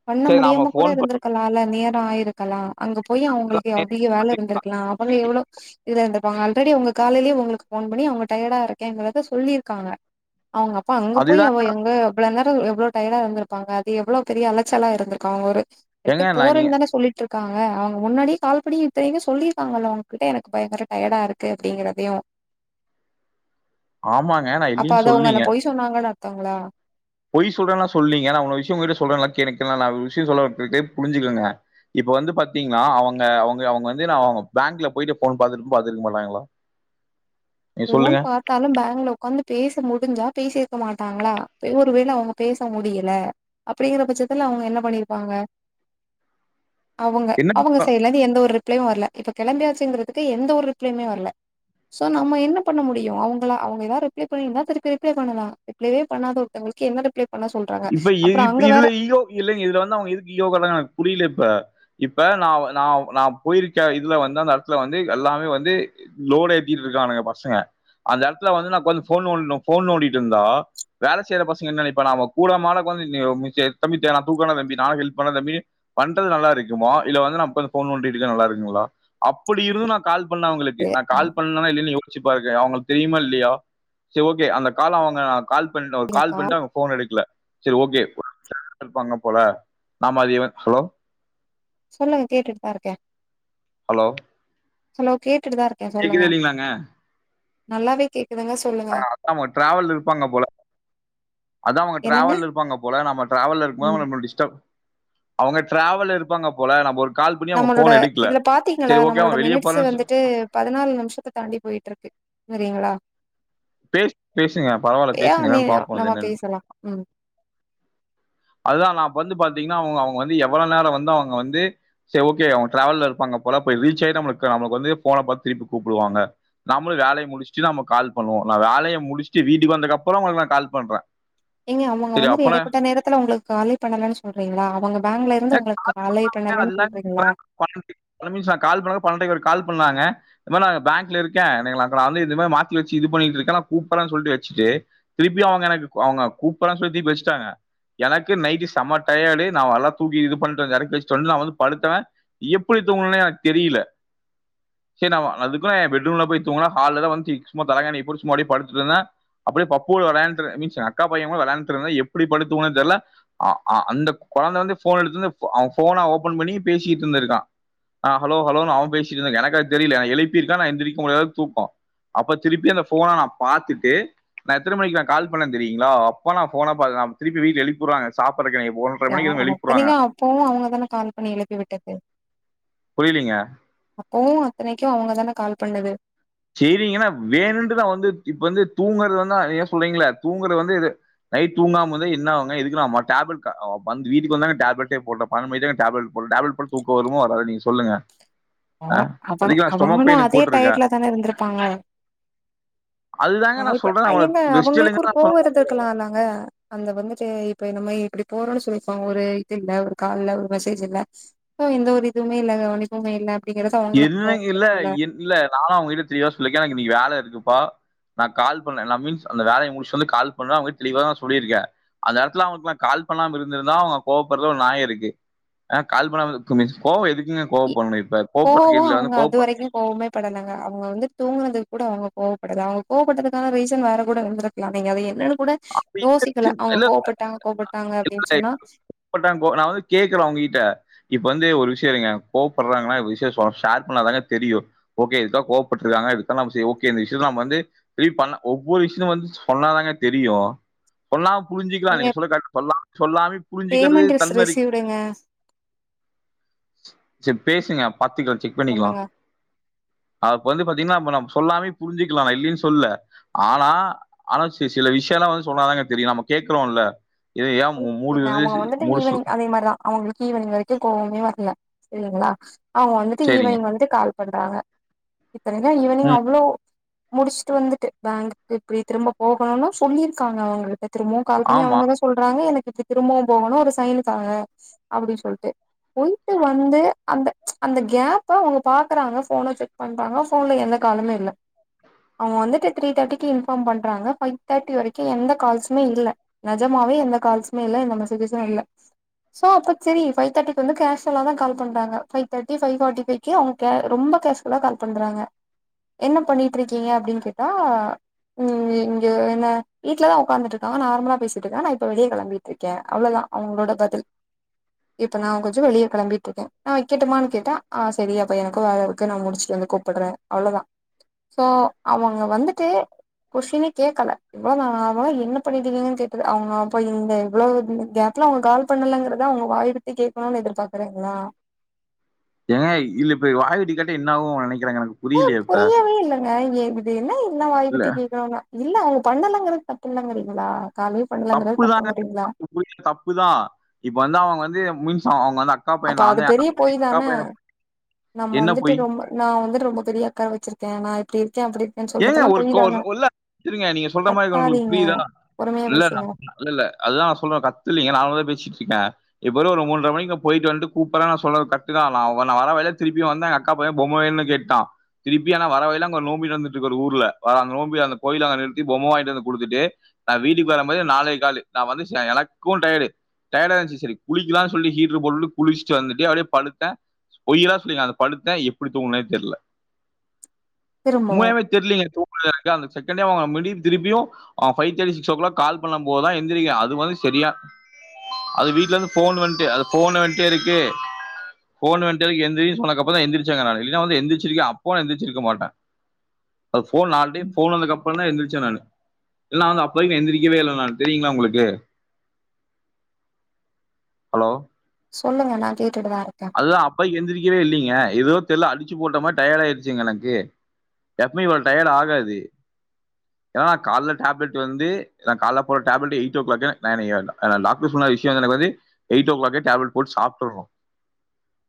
பண்ண முடியாம கூட இருந்திருகலா இல்ல நேர ஆயிருகலா அங்க போய் அவங்களுகு அதிக வேல இருதிருகலா அவங்க எவளோ இதுலருந்த இருப்பாங்க ஆல்ரெடி உங்களுகு காலையேயே உங்களுகு போன் பண்ணி அவங்க டயடா இருகேங்கிறத சொலிருகாங்க அவங்க அபா அங்க போய் அவ அதுதாங்க எங்க அவ்ள நேர டயடா இருந்ருபாங்க அது எவ்ளோ பெரிய அலக் சலா இருந்துகாங்க ஒரு ஏங்க இடத்துகு நான் நீங்க போறேனு தானே சொல்லிட் இருக் இருகாங்க அவங்க முன்னாடியே கால் பண்ணி தெளிவா சொலியிருகாங்கல உங்ககிட்ட எனகு பயங்கர டயடா இருகு அப்டிங்கறதையு ஆமாங்க நான் அப்ப இல்லைன்னு அத உங்க என்ன சொல்லீங்க பொய் சொன்னாங்கலா தங்களா பொய் சொல்றேனா சொலிங்க நா விஷயம்யிட்ட சொல்றேனலா கேலுங்க நா ஒரு விஷயோ சொல்ல வருது புரிஞ்சுகங்க இப்ப வந்து பாதீங்கனா அவங்க அவங்க அவங்க வந்து நா அவங்க பேங்ல போயிடு ஃபோன் பாதுடு பாத்ருக மாடாங்களா ஃபோன் பாத்தாலு பேங்ள உகாந்து பேச முடிஞ்சா பேசிருக மாட் டாங்களா ஒருவேள அவங்க பேச முடியல அப்டிங்கற பட்சதுல அவங்க என்ன பண்ணிருபாங்க அவங்க என்ன அவங்க இப்ப சைடல இருந்து எந்த ஒரு ரிப்ளயு வரல இப்ப கிளம்பியாசிங்ரது க எந்த ஒரு ரிப்ளயுமே வரல சோ நம்ம என்ன நா பண்ண முடியு அவங்கள அவங்க ஏதா ரிப்ளே பண்ணிருந்தா திருபி ரிப்ளே பண்ணலா ரிப்ளே பண்ணாத ஒருத்தங்களுகு என்ன ரிப்ளே இப்ப இ இ இதுல ஈகோ இல்லனு இதுல வந்து அவங்க எதுக்கு ஈகோ காட்றாங்க எனக் புரில இப்ப இப்ப நா ந நா போயிருக இதுல வந்து அந்த இடதுல வந்து எல்லாமே வந்து லோடு ஏத்திடுருகாங்க பசங்க அந்த இடத்துல வந்து நா உக்காந் ஃபோன்னோடனு ஃபோன்னோடிட்ருந்தா வேல செய்ற பசங்க என்ன நெனைபாக நாம கூட மாட உக்காந்து நி செர் தம்பி நா தூக்கற தம்பி நா ஹெல்ப் பண்ண தம்பினு பண்றது நல்லா இருகுமா இல்ல வந்து நா உகாந்து போனோடிருந்தா நலாருங்களா அப்டி இருந்து நா கால் பண்ணா உங்களுகு நா கால் பண்ணலா இலியானு வச்சிப்ப இருக்க அவங்களுக்கு தெரியுமா இல்லியா சரி ஓகே அந்த கால அவங்க கால் பண்ட ஒரு கால் இருக்கா பண்ணிட்டு அவங்க ஃபோன் எடுக்கல சரி ஓகே ஒரு நிம்ஸோ இருப்பாங்க போல நாமதியவன் ஹலோ சொல்லுங்க கேட்டுட்டுதா இருக்கே ஹலோ ஹலோ கே ட்டுதா இருக்கே சொல்லுங்க கேக்குதே நல்லாவே கே ஆ அதா அவங்க டிராவல்ல இருப்பாங்க போல அதா அவங்க என்னங்க டிராவல்ல இருப்பாங்க போல நம்ம டிராவல இருக்கு ம் போது நம்மல டிஸ்டப் அவங்க டிராவல இருப்பாங்க போல நம்ம கால் பண்ணி அவங்க நம்மளோட ஃபோன் எடுக்கல இதுல பாத்தீங்களா சரி ஓகே நம்மளோட அவங்க வெளியே மினிட்ஸ் போறேன்னு சொ- வந்துட்டு பதினாலு நிமிஷத்த தாண்டி போயிட்டு இருக்கு சரிங்களா பே பேசுங்க பரவால்ல ஏ பேசுங்க நீ என்னு பாப்போ அது நம்ம என்னனு பேசலா ம் அதுதா நா பந்து பாத் பாத்திங்கனா அவங்க அவங்க வந்து எவள பேரோ வந்து அவங்க வந்து செரி ஓகே அவங்க ட்ராவல இருப்பாங்க போல போய் ரீச் ஆகி நம்மளுக் நம்மளுக் வந்து ஃபோன் பாத்து திருப்பி கூப்புடுவாங்க நம்மளு வேலைய முடிச்சுட் கால் பண்ணுவோ நா வேலைய முடிச்சுட்டு வீட்டுக்கு வந்ததுக்கப்புறோ உங்களுக்கு நா கால் பண்றே ஏங்க அவங்க வந்துட்டு எடப்பட்ட நேரத்துல உங்களுக்கு காலே பண்ணலன்னு சொல்றீங்களா அவங்க பேங்க்ல இருந்து உங்களுக்கு காலே பண்ணலன்னு அதுதான் சொல்றீங்களா நிமிஷம் நான் கால் பண்ண பன்னெண்டரைக்கு ஒரு கால் பண்ணாங்க இதமரி நா பேங்க்ல இருக்கே <unintelligible> மாத்தி வச்சு இது பண்ணிட்டு இதுக்கலா கூப்படாத சொல்லி வச்ட் திருப்பியு அவங்க எனக் அவங்க கூப்படாத சொல்லி திரும்பி வச்ட்டாங்க எனக் நைட் செம டையோடு நா நல்லா தூங்கி இது பண்டேங்கனு சொன்னா அவுங்க வந் படுத்தவ எப்டி தூங்னனு எனக் தெரில செர் நா ரிப்பராயி பெட்ரூம்ல போய் தூங்னா ஹால்லதா வந்ச்சு சுமா தலகாணிய போட் மொதல்யே படுத்ட்டவ அப்பரயே பப்புவோட வெளாடிட்ருந் பீன்ஸ் எங்க அக்கா பையங்கூட வெளாடிருந்தவ எப்டி படுத்தூங்னா தெய்வ அ அ அந்த கொழந்த வந்து ஃபோன் எடுக்குது அவ ஃபோன் ஓபன் பண்ணி பேசிட்ருந்துர்கா அ ஹலோ ஹலோ னு அவன் பேசிட்ருந் எனக் அது தெரியல என எழுப்பிர்கா நா எந்திருக்முடியாதளவு தூக்கோ அப்ப திருப்பியு அந்த ஃபோ ஃபோன நா பார்த்தட்டு நா எத்தன மணிக்கு கால் பண்ண தெரிங்களோ அப்ப நா ஃபோன பாக்ர திருப்பி வீட்டுள எழுப்பிஉடுறாங்க சாப் யார் அத்தனையு அப்பவு அவங்கதானே கால் பண்ணி எழுப்பி விட்டது புரியலீங்க அப்பவு அத்தனைக்கு அவங்கதானே கால் பண்ணது செரிங்கன்ன வேணு நா வந்து இப்ப வந்து தூங்கறது வந்தா ஏன் சொல்றீங்கள தூங்குற வந்து இது நைட் தூங்காமத என்னவங்க இதுக்குன்னாமா டேப்லெட் க னு வீட்டுக்கு வந்தாங்க டேப்லெட்டே போடனு பன்னன்டு மணிக்தா டேப்லட் போடனு டேப்லெட் போட்டா தூக்க வருமோ வராதோ நீங் சொல்லுங்க ஆ ப்போ அவங்க அதுக்கு நா ஸ்டொமக் அவங்களு பெயினுக்கு அதே போட்ருக்கே டயர்ட்ல தனே வந்திருப்பாங்க அதுதாங்க நா கால் பண் சொல்றே ஐ அவங்கள ஏங்க ரெஸ்ட் அவங்களுக்கு எடுங்கன்னு ஒரு நா சொன்னே கோவோ இருந்துருக்கலாங்க அந்த வந்து சே இப்ப நம்ம இப்டி போறோன்னு சொல்லிப்போ ஒரு இது இல்ல ஒரு கால்ல ஒரு மெசேஜ் இல்ல எந்த ஒரு இதுவுமே இல்ல கவனிப்புவுமே இல்ல அப்டிங்கறது அவங்களுக்கு கோவோ இல்லங் இல்ல வந்திருக்குல்ல இல்ல நானு அவங்ககிட்ட த்ரீ ஹவர்ஸ் சொல்லிடுங்க எனக் இன்னிக் வேல இருக்கு ப்ரோ நா கால் பண்ணன் நா பீன்ஸ் அந்த வேலைய முடிச்ட் வந்து கால் பண்ணா அவங்க தெளிவாதா சொல்லிருக்க அந்த நேரத்துல அவங்களுக் நா கால் பண்ணாம இருந்துருந்தா அவங்க கோவபடுறதுல ஒரு நாயோ இருக்கு கால் பண்ணாம இருக் மிஸ் கோவோ எதுக்கு நீங்க ஏ கோப்படுனு இப்ப கோவப்படுற கோவமு கேன்ல வந்து அவங்க கோவப்பட அதுவரைக்கு கோபமே படளங்க அவங்க வந்து தூங்குனது கூட கோவப்படது அவங்க கோவப்படரதுக்கான ரீசன் வேற கூட இருந்துருக்கலாமே நீங்க அது என்ன கூட அப்படி என்ன யோசிக்கள அவங்க இல்ல கோவப்பட்டாங்க கோப்பட்டாங்க இல்ல அப்டின்னு சொன்னா ஏற்பட்டாங்க கோ- நான் வந்து கேட்கிறேன் அவங்ககிட்ட. இப்ப வந்து ஒரு விஷயோ இருங்க கோவபடுறாங்கன்னா விஷயம் ஷேர் பண்ணாதாங்க தெரியு ஓகே இதுகா கோவப்பட்டுர்காங்க <unintelligible> ஓகே இந்த விஷயலா நம்ம வந்து பீல் பண்லா ஒவ்வொரு விஷயும் வந்து சொன்னாதாங்க தெரியு சொன்னா புரிஞ்சிக்கலா எங்க நீங்க சொல்றது கரெக்ட் சொல்லாம சொல்லாமே புரிஞ்சுக்கிறது பேமெண்ட் இஸ் தன்ம இருக்கு ரிசீவ்டுங்க ச்சர் பேசுங்க பத்துக்கச்செக் பண்ணிக்கலா சொல்லுங்க அபந்து பாத் டீனாப்பநாம் சொல்லாமே புரிஞ்சுக்கலா நா இல்லின் சொல்ல ஆனா அனா சில விஷ்யலா வந்து சொன்னாதாங்க தெரியு நாம கேக்குறோல்ல அவுங்க வந்துட்டு ஈவினிங் அதே மார்தா அவுங்களுக்கு ஈவினிங் வரைக்கு கோவமே வ இல்ல சரிங்ளா அவுங்க வந்துட்டு சரிங்க ஈவினிங் வந்து கால் பண்றாங்க இத்தனைங்கு ஈவ்னிங் ம் அவ்ளோ முடிச்சுட்டு வந்துட்டு பேங்க்கு இப்டி திரும்ப போகணும்னு சொல்லிருக்காங்க அவுங்ககிட்ட திருமோவு கால்பண்ணி ஆமா அவுங்கலதா எ எனக்கு திரும்பவு போகணு அது சைனுக்காக அப்டி சொல்ட்டு போய்ட்டு வந்து அந்த அந்த கேப்ப அவுங்க பாக்ராங்க ஃப்போன செக் பண்றாங்க ஃப்போன் எந்த காலுமே இல்ல அவுங்க வந்துட்டு த்திரிதர்டிக்கு இன்ஃப்பாம் பண்றாங்க ஃபைய்தர்டி வரிக்கு எந்த கால்ஸ்சுமே இல்ல நஜ் நெஜமாவே எந்த கால்ஸ்சுமே இல்ல எந்த மேசேஜ்ஸ்சு இல்ல சோ அப்ப சரி ஃபய்தர்டிக்கு வந்து காஷ்வலாதா கால் பண்றாங்க ஃபய்தர்டி ஃபய்ஃபாட்டி ஃப்ய்க்கு அவுங்க கே ரொம்ப கேஷ்வலா கால் பண்றாங்க என்ன பண்ணிட்டு இருக்கீங்க அப்டின் கேட்டா இங்க நா வீட்லதா ஒக்காந்துட்டு இருக்காங்கா நார்மலா பேஸ் இப்பதா நா இப்ப வெளிய கெளம்பிட்டுருக்கே அவ்ளதா அவுங்களோட பதில் இப்ப நா கொஞ்ச வெளியே கிளம்பிட்டு இருக்கே நா வக்கட்டுமா கேட்டா அ சரி அப்ப எனக்கு வேல இருக்கு நா முடிச்சுட்டு வந்து கூப்புட்றே அவ்ளதா சோ அவுங்க வந்துட்டு கொஸ்டினே கேக்கல எவ்ளோ நேர ஆவு என்ன பண்ணிட்டுருந்தன் கேட் அவுங்க அப்போய் இந்த இவ்ளோ கேப்ல அவுங்க கால் பண்ணுலங்கறத அவுங்க வாய்விட்டு கேட்கணு எதர்பாக்கறுங்ளா ஏங்க இல்ல இப்வாய்வுட்டு கேட்டா என்னாவு நெனை ஓ புரியவே இல்லங்க ஏ இது என்ன என்ன இல்ல வாய்விட்டு கேக்கனுனா இல்ல அவுங்க பண்ணலங்கரது தப்புலங்கறீங்ளா தப்புதாங்க தப்புதா இப்ப வந்து அவுங்க வந்து உங்ளுக்சாவாங் அப்ப அது பெரிய பொய் தானே நம்ம என்ன வந்துட்டு போய் ரொம்ப நா வந்துட்டு ரொம்ப பெரியா அக்கா வச்சிருக்கே நா கேளு ஏங்க ஒரு கொ இல்ல இருங்க நீங்க சொல்ற மாரி இது உங்களுக்கு கத்தாதீங்க புரியுதா பொறுமையா இல்லனா பேசுங்க இல்ல இல்ல இல்ல அதுதா நா சொல்ற கத்துலீங்க நார்மலாதா பேசிட்ருக்க இப்ப வந்து ஒரு மூன்ற மணிக்கு நா போய்ட்டு வந்ட்டு கூப்பர்ற நா சொன்னது கரெக்டுதா நா வ நா வர வழில திருப்பி வந்தே எங்க அக்கா பைய பொம்ம வேண்ணு கேட்டா திருப்பி நா வர வழில அங்க நோம்பி நடந்து ட்ருக்கு ஒரு ஊர்ல வர அங்க நோம்பியா அந்த கோயிலாண்ட நிறுத்தி பொம்ம வாங்கிட்டு வந்து குடுத்துட்டு நா வீட்டுக்கு வரம்போது நாலே காலு நா வந்து சே எனக்கு டையேடு டையேடா இந்துச்சு சரி குளிக்கலான்னு சொல்லி ஹீட்ரு போட்டுட்டு குளிச்சுட்டு வந்துட்டு அப்டியே படுத்தே பொய்யல்லா சொல்லிலங்க அந்த படுத்தே எப்புடி துங்குனனே தெர்ல திரும்பவு உம்மயவே தெரிலீங்க தூ <unintelligible> அந்த செக்கண்டே அவ மறுடியு திருப்பியு ஆ five thirty six o'clock call பண்ணம்போதுதா எந்திரிக்கிற அது வந்து சரியா அது வீட்லருந்து ஃபோன் வந்ட்டு அது ஃபோனு வந்ட்டே இருக்கு ஃபோன் வந்ட்டே இருக்கு எந்திரினு சொன்னதுக்கப்புறந்தா எந்திரிச்சங்க நானு இல்லினா வந்து எந்திரிச்சிருக்கவே அப்பவு நா எந்திச்சிருக்க மாட்ட அது ஃபோன் நாலு டைம் ஃபோன் வந்ததுக்கு அப்புறந்தா எந்திரி ச்ச நானு இல்ல நா வந்து அப்ப வரைக்கி நா எந்திரிக்கவே இல்ல நானு தெரியுங்களா உங்களுக்கு ஹலோ சொல்லுங்க நா கே அதுதா அப்ப வரைக்கி எந்திரிக்கவே இல்லிங்க எதோ தெர்ல அடிச்சு போட்ட மாரி டயேடு ஆய்ருச்சுங்க எனக்கு எப்மே இவ்ளவு டயேடு ஆகாது ஏன்னா நா கால்ல டேப்லெட் வந்து நா கால்ல போடற டேப்லெட்டு எய்ட் ஓ கிளாக்கு நானு எ நா டாக்டர் சொன்ன விஷ்யங்கன்னபோது எய்ட் ஓ கிளாக்கே டேப்லெட் போட்டு சாப்ட்ருனு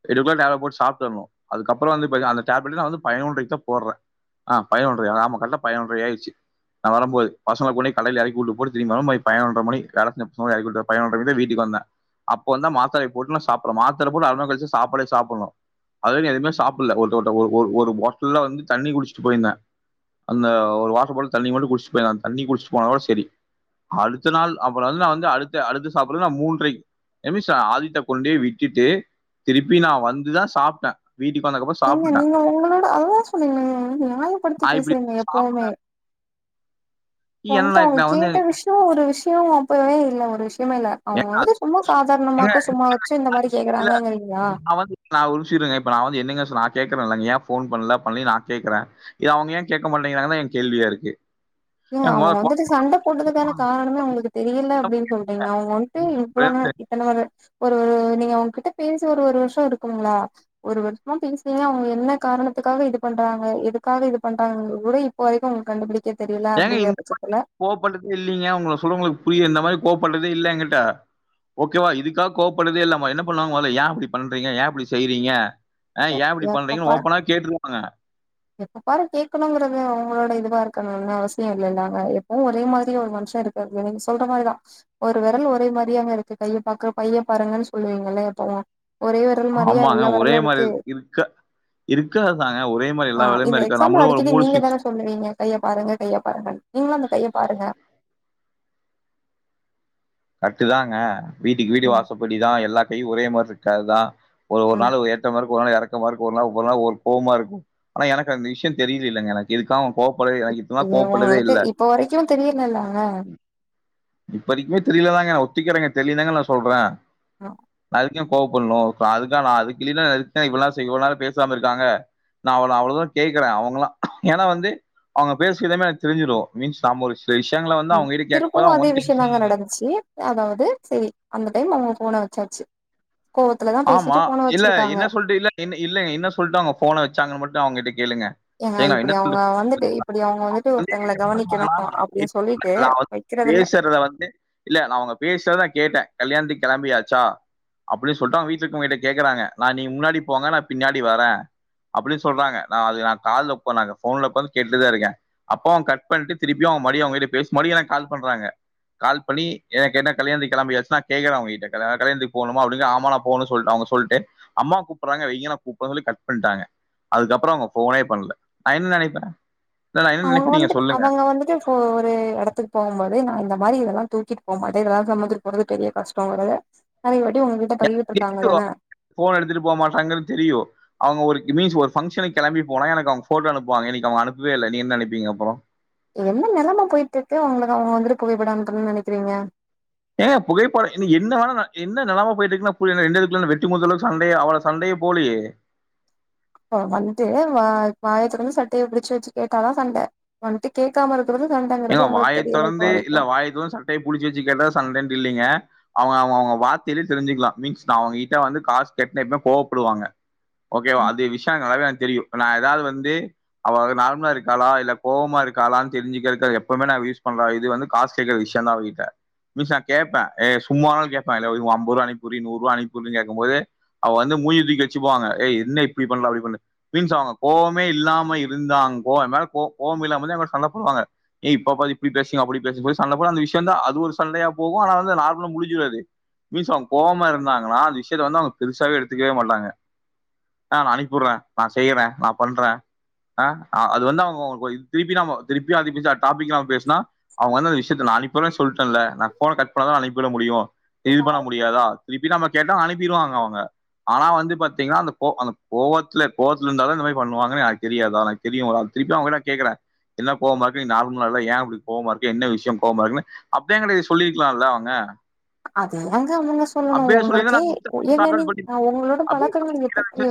எட்டுக்குள்ளாற டேப்லட் போட்டு சாப்ட்ரனு அதுக்கப்பறோ வந்து பாத்திங்னா அந்த டேப்லட்டு நா வந்து பயனொன்றைக்குதா போடறே ஆ பயனொன்றயா ஆமா கால்ல பயனொன்றை ஆயிருச்சு நா வரம்போது பசங்கள கொண்டு போய் கடையில எறக்கி விட்டுப் போட்டு திரும்பி வர மணி பயனொன்ற மணி வேல செஞ்ச பசங்கள எறக்கிவிட்டு பயனொன்ற மணிக்குதா வீட்டுக்கு வந்த அப்ப வந்துதா மாத்தரய போட்னு நா சாப்டற மாத்தர போட்டு அர மண் நேரோ கழிச்சுதா சாப்பாடே சாப்பட்ணு அது வரையு எதுமே சாப்புட்ல ஒருட்ட ஒருட்ட ஒரு ஒரு ஒரு பாட்டல்ல வந்து தண்ணி குடிச்சிட்டு போய்ருந்தே அந்த ஒரு வாட்ரு பாட்டில் தண்ணி மட்டு குடிச்சுட்டு போய்ருந்தே அந்த தண்ணி குடிச்சுட்டு போனதோட செரி அடுத்த நாள் அப்பறோ வந்து வந்து அடுத்து அடுத்து சாப்புட்றது நா மூன்றைக்கி எமீஷா ஆதித்யாவ கொண்டு போய் விட்டுட்டு திருப்பி நா வந்துதா சாப்ட்ட ஏங்க நீங்க உங்களோட அதுதா சொன்னே நீங்க வந்து நியாயப்படுத்தி நான் இப்படி பேசுறீங்க சாப்பிட்டு எப்போமே என்ன ஒன்ட்ட அவங்க நான் வந்து கேட்ட விஷ்யோ ஒரு விஷ்யோ அப்பவே இல்ல ஒரு விஷ யமே இல்ல அவங்க ஏங்க அது- வந்து சும்மா ஏங்க சாதாரணமாக்கு சும்மா வச்சு இந்த மாரி இல்ல கேக்குறாங்கங்கிறீங்களா நான் கேக்குற இல்லங்க யேன் ஃபோன் பண்ல பண்லயின்னு நா கேக்குற யேன் அவங்க ஏ கேக்க மாட்டேங்கறாங்கன்னுதா ஏன் கேள்வியா இருக்கு ஏங்க எனக்கு அவுங்க முதல்ல கோவம் வந்துட்டு சண்ட போட்டதுக்கான காரணமே அவுங்களுக்கு தெரியல அப்டின்னு சொல்றீங்க அவங் க வந்ட்டு இவ்ளோ வரும். நாளு இத்தன ஒரு ஒரு நீங்க அவங்ககிட்ட பேசி ஒரு ஒரு வருஷோ இருக்குங்களா ஒரு வருஷமா பேசிலிங்க அவங்க என்ன காரணத்துக்காக இது பண்றாங்க எதுக்காக இது பண்றாங்கன்னு கூட இப்போ வரைக்கு அவங்க கண்டுபிடிக்க தெரியல ஏங்க அப்டிங்கிற இந் <inaudible> பட்சத்துல கோவப்பட்டதே இல்லீங்க அவுங்க சொல்றது உங்களுக்கு புரியல இந்த மாரி கோவப்பட்டதே இல்ல எங்கிட்ட ஓகேவா இதுக்காக கோவப்பட்டதே இல்லம்மா என்ன பண்ணுவாங்க மொதல்ல யே அப்டி பண்றீங்க யே அப்டி செய்றீங்க ஆ எ யே இப்டி எப்ப பண்றீங்கன்னு பாரு ஓப்பனா கேட்ருவாங்க எப்ப பாரு கேக்கணுங்கிறது அவங்களோட இதுவா இருக்கணுன்னு அவசியோ இல்லல்லங்க எப்பவு ஒரே மாரி ஒரு மனுஷ இருக்கறது நீங்க சொல்ற மாரிதா ஒரு வெரல் ஒரே மாரியாங்க இருக்கு கைய பாக்க பைய பாருங்கன்னு சொல்லுவீங்கல்ல எப்பவு ஒரே வெரல் மாரியா ஆமாங்க. எல்லா ஒரே வெரலு இரு மாரி க்கு இருக்க இருக்காதுதாங்க. ஒரே மாரி ஆ எல்லா வேலையுமே இந்த இருக்காது. எக்ஸாம்பிள நம்மளும் ஒரு அடிக்கடி மூடு ஸ்விட்ச் நீங்கதான சொல்லுவீங்க கைய பாருங்க கைய பாருங்கன்னு நீங்களு அந்த கைய பாருங்க கரெக்டுதாங்க வீட்டுக்கு வீடு ம் வாசப்படிதா எல்லா கையு ஒரே மாரி இருக்காதுதா ஒரு ஒரு ம் நாளு ஏற்றமா இருக்கு ஒரு நாளு எறக் கமா இருக்கு ஒரு நாளு ஒவ்வொரு நாளு ஒரு கோவமா இருக்கு ஆனா எனக்கு அந்த விஷயோ தெரியல இல்லங்க எனக்கு எதுக்காக அவுங் இ இது உங்களுக்கு இப்ப வரைக்கு தெரியல இல்லங்க இப்ப வரைக்குமே தெரியில தாங்க நா ஒத்திக்கிறங்க தெர்லெயந்தாங்க நா சொல்ற ஆ அதுக்கு ஏ கோவப்பட்ணு இப்ப அதுக்கா நா அதுக்கில்லினா இதுக்தா இவ்ள நேர செ இவள் நேர பேசாமருக்காங்க நா அவ்ள அவ்ளொ தூரொ கேக்குறே அவுங்களா ஏனா வந்து அவுங்க பேசுயதுமே எனக் தெருஞ்சுரு மீன்ஸ் நம்ம ஒரு இந்த விஷ்யங்கள வந்து ம் அவுங்ககிட்ட கேக்கும்போது அவுங்க வந்து டென்ஷன் <inaudible> அதாவுது செரி அந்த டைம் அவுங்க ஃபோன வச்சாச்சு கோவத்துலதா ஆமா பேசிட்டு ஃபோன இல்ல வச்சிருக்காங்க என்ன சொல்ட்டு இல்ல என் இல்ல என்ன சொல்ட்டு அவுங்க ஃபோன வச்சாங்கனு மட் டு அவுங்கட்ட கேளுங்க ஏங்க சேங்ளா என்ன இப்டி அவங்க சொல்ட்டு <inaudible> வந்துட்டு இப்டி அவங்க வந்துட்டு ஒருத்தங்கள கவனிக்கணு அப்டின்னு சொல்லிட்டு வைக்கிறதில்ல பேசுறத வந்து இல்ல நா அவுங்க பேசுறத நா கேட்டே கல்யாணத்துக் கெளம்பியாச்சா அப்டி சொல்ட்டு அவுங்க வீட்ல இருக்கவுங்க கிட்ட கேக்குறாங்க நா நீங்க முன்னாடி போங்க நா பின்னாடி வரே அப்பிடி சொன்னாங்க நா அது நா கால்ல பண்ணாங்க ஃபோன்ல ஒக்காந்து கேட்டுட்டு தா இருக்கே அப்பவு கட் பண்ட்டு திருப்பியு அவு மடியு அவுங்க கிட்ட போய் பேசி முடிக்கிறே கால் பண்றாங்க கால் பண்ணி எனக் என்ன கல்யாணத்துக் கெளம்பியாச்ச நா கேக்குறே அவுங்கிட்ட கல கல்யாண்த்துக்கு போனுமா அப்டி சொல் ஆ மா நா போனு சொல் அவுங்க சொல்ட்டு அம்மா கூப்புறாங்க வைங்க நா கூப்புறே சொல்லி கட் பண்ட்டாங்க அதுக்கப்றொ அவுங்க ஃபோனே பண்ல நா என்‌ நெனைப்பே அவுங்க வந்துட்டு அவுங்க வந்துட்டு இப்ப ஒரு எடத்துக்கு போவும்போது நா இந்த மாரி இதல்லா தூக்கிட்டு போம்மோது இதெல்லா சொமந்துட்டு போறது பெரிய கஷ்டோங்கறத <unintelligible> பதிவிட்ருக்காங்க தான <inaudible> ஃபோன் எடுத்துட்டு போ மாட்டாங்கன் தெரியு அவுங்க ஒரு மீன்ஸ் ஒரு பங்ஷனுக்கு கெளம்பி போனா எனக்கு அவுங்க ஃபோட்டோ அனுப்புவாங்க இன்னக்கி அவுங்க அனுப்பவே இல்ல நீங்க என்ன நெனப்பீங்க அப்பறொ இங்க என்ன நெலம போயிட்ருக்கு ஒங்ளுக்கு அவுங்க வந்துட்டு புகைப்பட அனுப்பனுன் நெனக்கிறீங்க ஏங்க புகைப்பட நீங் என்ன வேணா நா என்ன நெலம போயிட்ருக்குன்னா புரிய என்ன ரெண்டு பேருக்குள்ள என்ன வெட்டி மோதுற அளவுக்கு சண்டயா அவ்ள சண்டயெ போலயே இப்ப வன்ட்டு வா வாய தொறந்து சட்டைய பிடிச்சு வச்சு கேட்டாதா சண்ட வன்ட்டு கேக்காம இரு ஏங்க வாய தொறந்து இல்ல வாய தொறந்து சட்டைய புடிச்சு வச்சு கேட்டாதா சண்டன்ட்டில்லெங்க அவ அவுங்கவுங்க வார்த்தைலே தெரிஞ்சுக்லா மீன்ஸ் நா அவங்ககிட்ட வந்து காசு கேட்னா எப்மே கோவப்படுவாங்க ஓகேவா ம் அது விஷ்யாகு நல்லாவே எனக்கு தெரியு நா எ எதாது வந்து அவ நார்மலா இருக்காளா இல்ல கோவமா இருக்காளானு தெருஞ்சுக்கிற க்கத எப்பவ்மே நா யூஸ் பண்ற இது வந்து காசு கேக்குற விஷ்யந்தா அவகிட்ட மீன்ஸ் நா கேப்பே ஏ சும்மானாலு கேப்பே இல்ல ஒ அம்பதுருவா அனிப்புரி நூறுவா அனிப்புரினு கேக்கும் போது அவ வந்து மூஞ்சிய தூக்கி வச்சுப்பாங்க ஏ என்ன இப்பிடி பண்ற அப்டி பண்ண மீன்ஸ் அவுங்க கோவமே இல்லாம இருந்தாங் கோவ எம்மேல கோ கோவமில்லாம இருந்தா எ கூட சண்ட போடுவாங்க ஏ இப்ப பா இப்டி பேசுங்க அப்பிடி பேசுங்க சண்ட போடு அந்த விஷ்யந்தா அது ஒரு சண்டயா போவு ஆனா வந்து நார்மல முடுஞ்சுரு அது மீன்ஸ் அவுங்க கோவமா இருந்தாங்கனா அந்த விஷ்யத்த வந்து அவுங்க பெருசாவே எடுத்துக்கவே மாட்டாங்க ஆ நா அனுப்பிவுட்றே நா செய்யறே நா பண்றே ஆ அது வந்து அவுங்க ஒ திருப்பிதா ப திருப்பியு அது பேச புடிக்லாம பேசுனா அவுங்க வந்து அந்த விஷ்யத்த நா அனுப் புறே சொல்டெல்ல நா ஃபோன கட் பண்ணாதா அனுப்பிட முடியு இது பண்ண முடியாதா திருப்பி நம்ம கேட்டா அனுப்பிருவாங்க அவுங்க ஆனா வந்து பாத்திங்கனா அந்த கோ அந்த கோவத்ல கோவத்ல இந்தாதா இந்தமாரி பண்ணுவாங்கன் எனக் தெரியாதா எனக் தெரியுல திருப்பியு அவுங்கிட்ட கேக்குறே என்ன கோவமா இருக்க நீ நார்ம லா இல்ல ஏ இப்டி கோவமா இருக்க என்ன விஷ்யொ கோவமா இருக்கன்னு அப்பயே எங்கிட்ட நீ சொல்லிருக்கலால்ல அவுங்க அத ஏங்க அவுங்க சொல்லணு சொல்லியிருந்தா ஒங்களுக்கே நான் ஏங்க சார்ட் அவுட் நீங் பண்ணி அ ஒங்களோட அப்படியே பழக்கங்கள்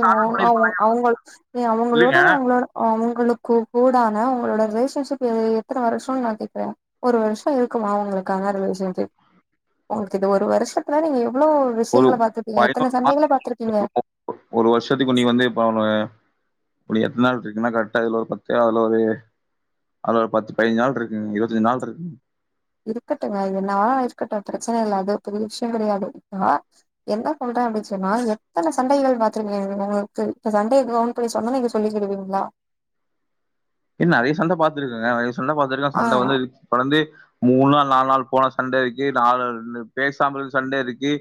சார்ட் அவுட் பண்ணிருப்பேன் அவுங் அவுங்கள் ஏ அவுங்களோட இல்லைங்க ஒங்ளோட அவுங்களுக்கு கூடான ஒங்களோட ரிலேஷன்ஷிப் எத்தன வருஷொன் நா கேக்குறே ஒரு வருஷ இருக்குமா அவுங்களு காங்க ரிலேஷன்ஷிப் ஒங்ளுக்கு இந்த ஒரு வருஷத்துல நீங்க எ ஒரு பதினொரு மா பாத்துருப்பீங்க <inaudible> ஒரு வருஷத்துக்கு நீ வந்து பனொன்னு புடி எத்தன் நாள் இருக்குனா கரெக்டா இதுல ஒரு பத்து அதுல ஒரு அதுல ஒரு பத்து பைஞ்சு நாள் இருக்குங்க இருவத்தஞ்சு நாள்ருக்கு இருக்கட்டுங்க இது நா இருக்கட்டு பிரச்சன இல்ல அது பெரிய விஷ்ய கெடயாது நா என்ன சொல்றே அப்டின் சொன்னா எத்தன சண்டைகள் பாத்திருக்கீங்க ஒங்கள்க்கு இப்ப சண்டய கவுன்ட் பண்ணி சொன்னா நீங்க சொல்லிகிடுவிங்ளா என் நறைய சண்ட பாத்துருக்கங்க நறய சண்ட பாத்துருக்க ஆ சண்ட வந்து இப்பலந்து மூண் நாள் நாலு நாள் போன சண்ட இருக்கி நாலு இது பேசாம இருந்த சண்ட இருக்கி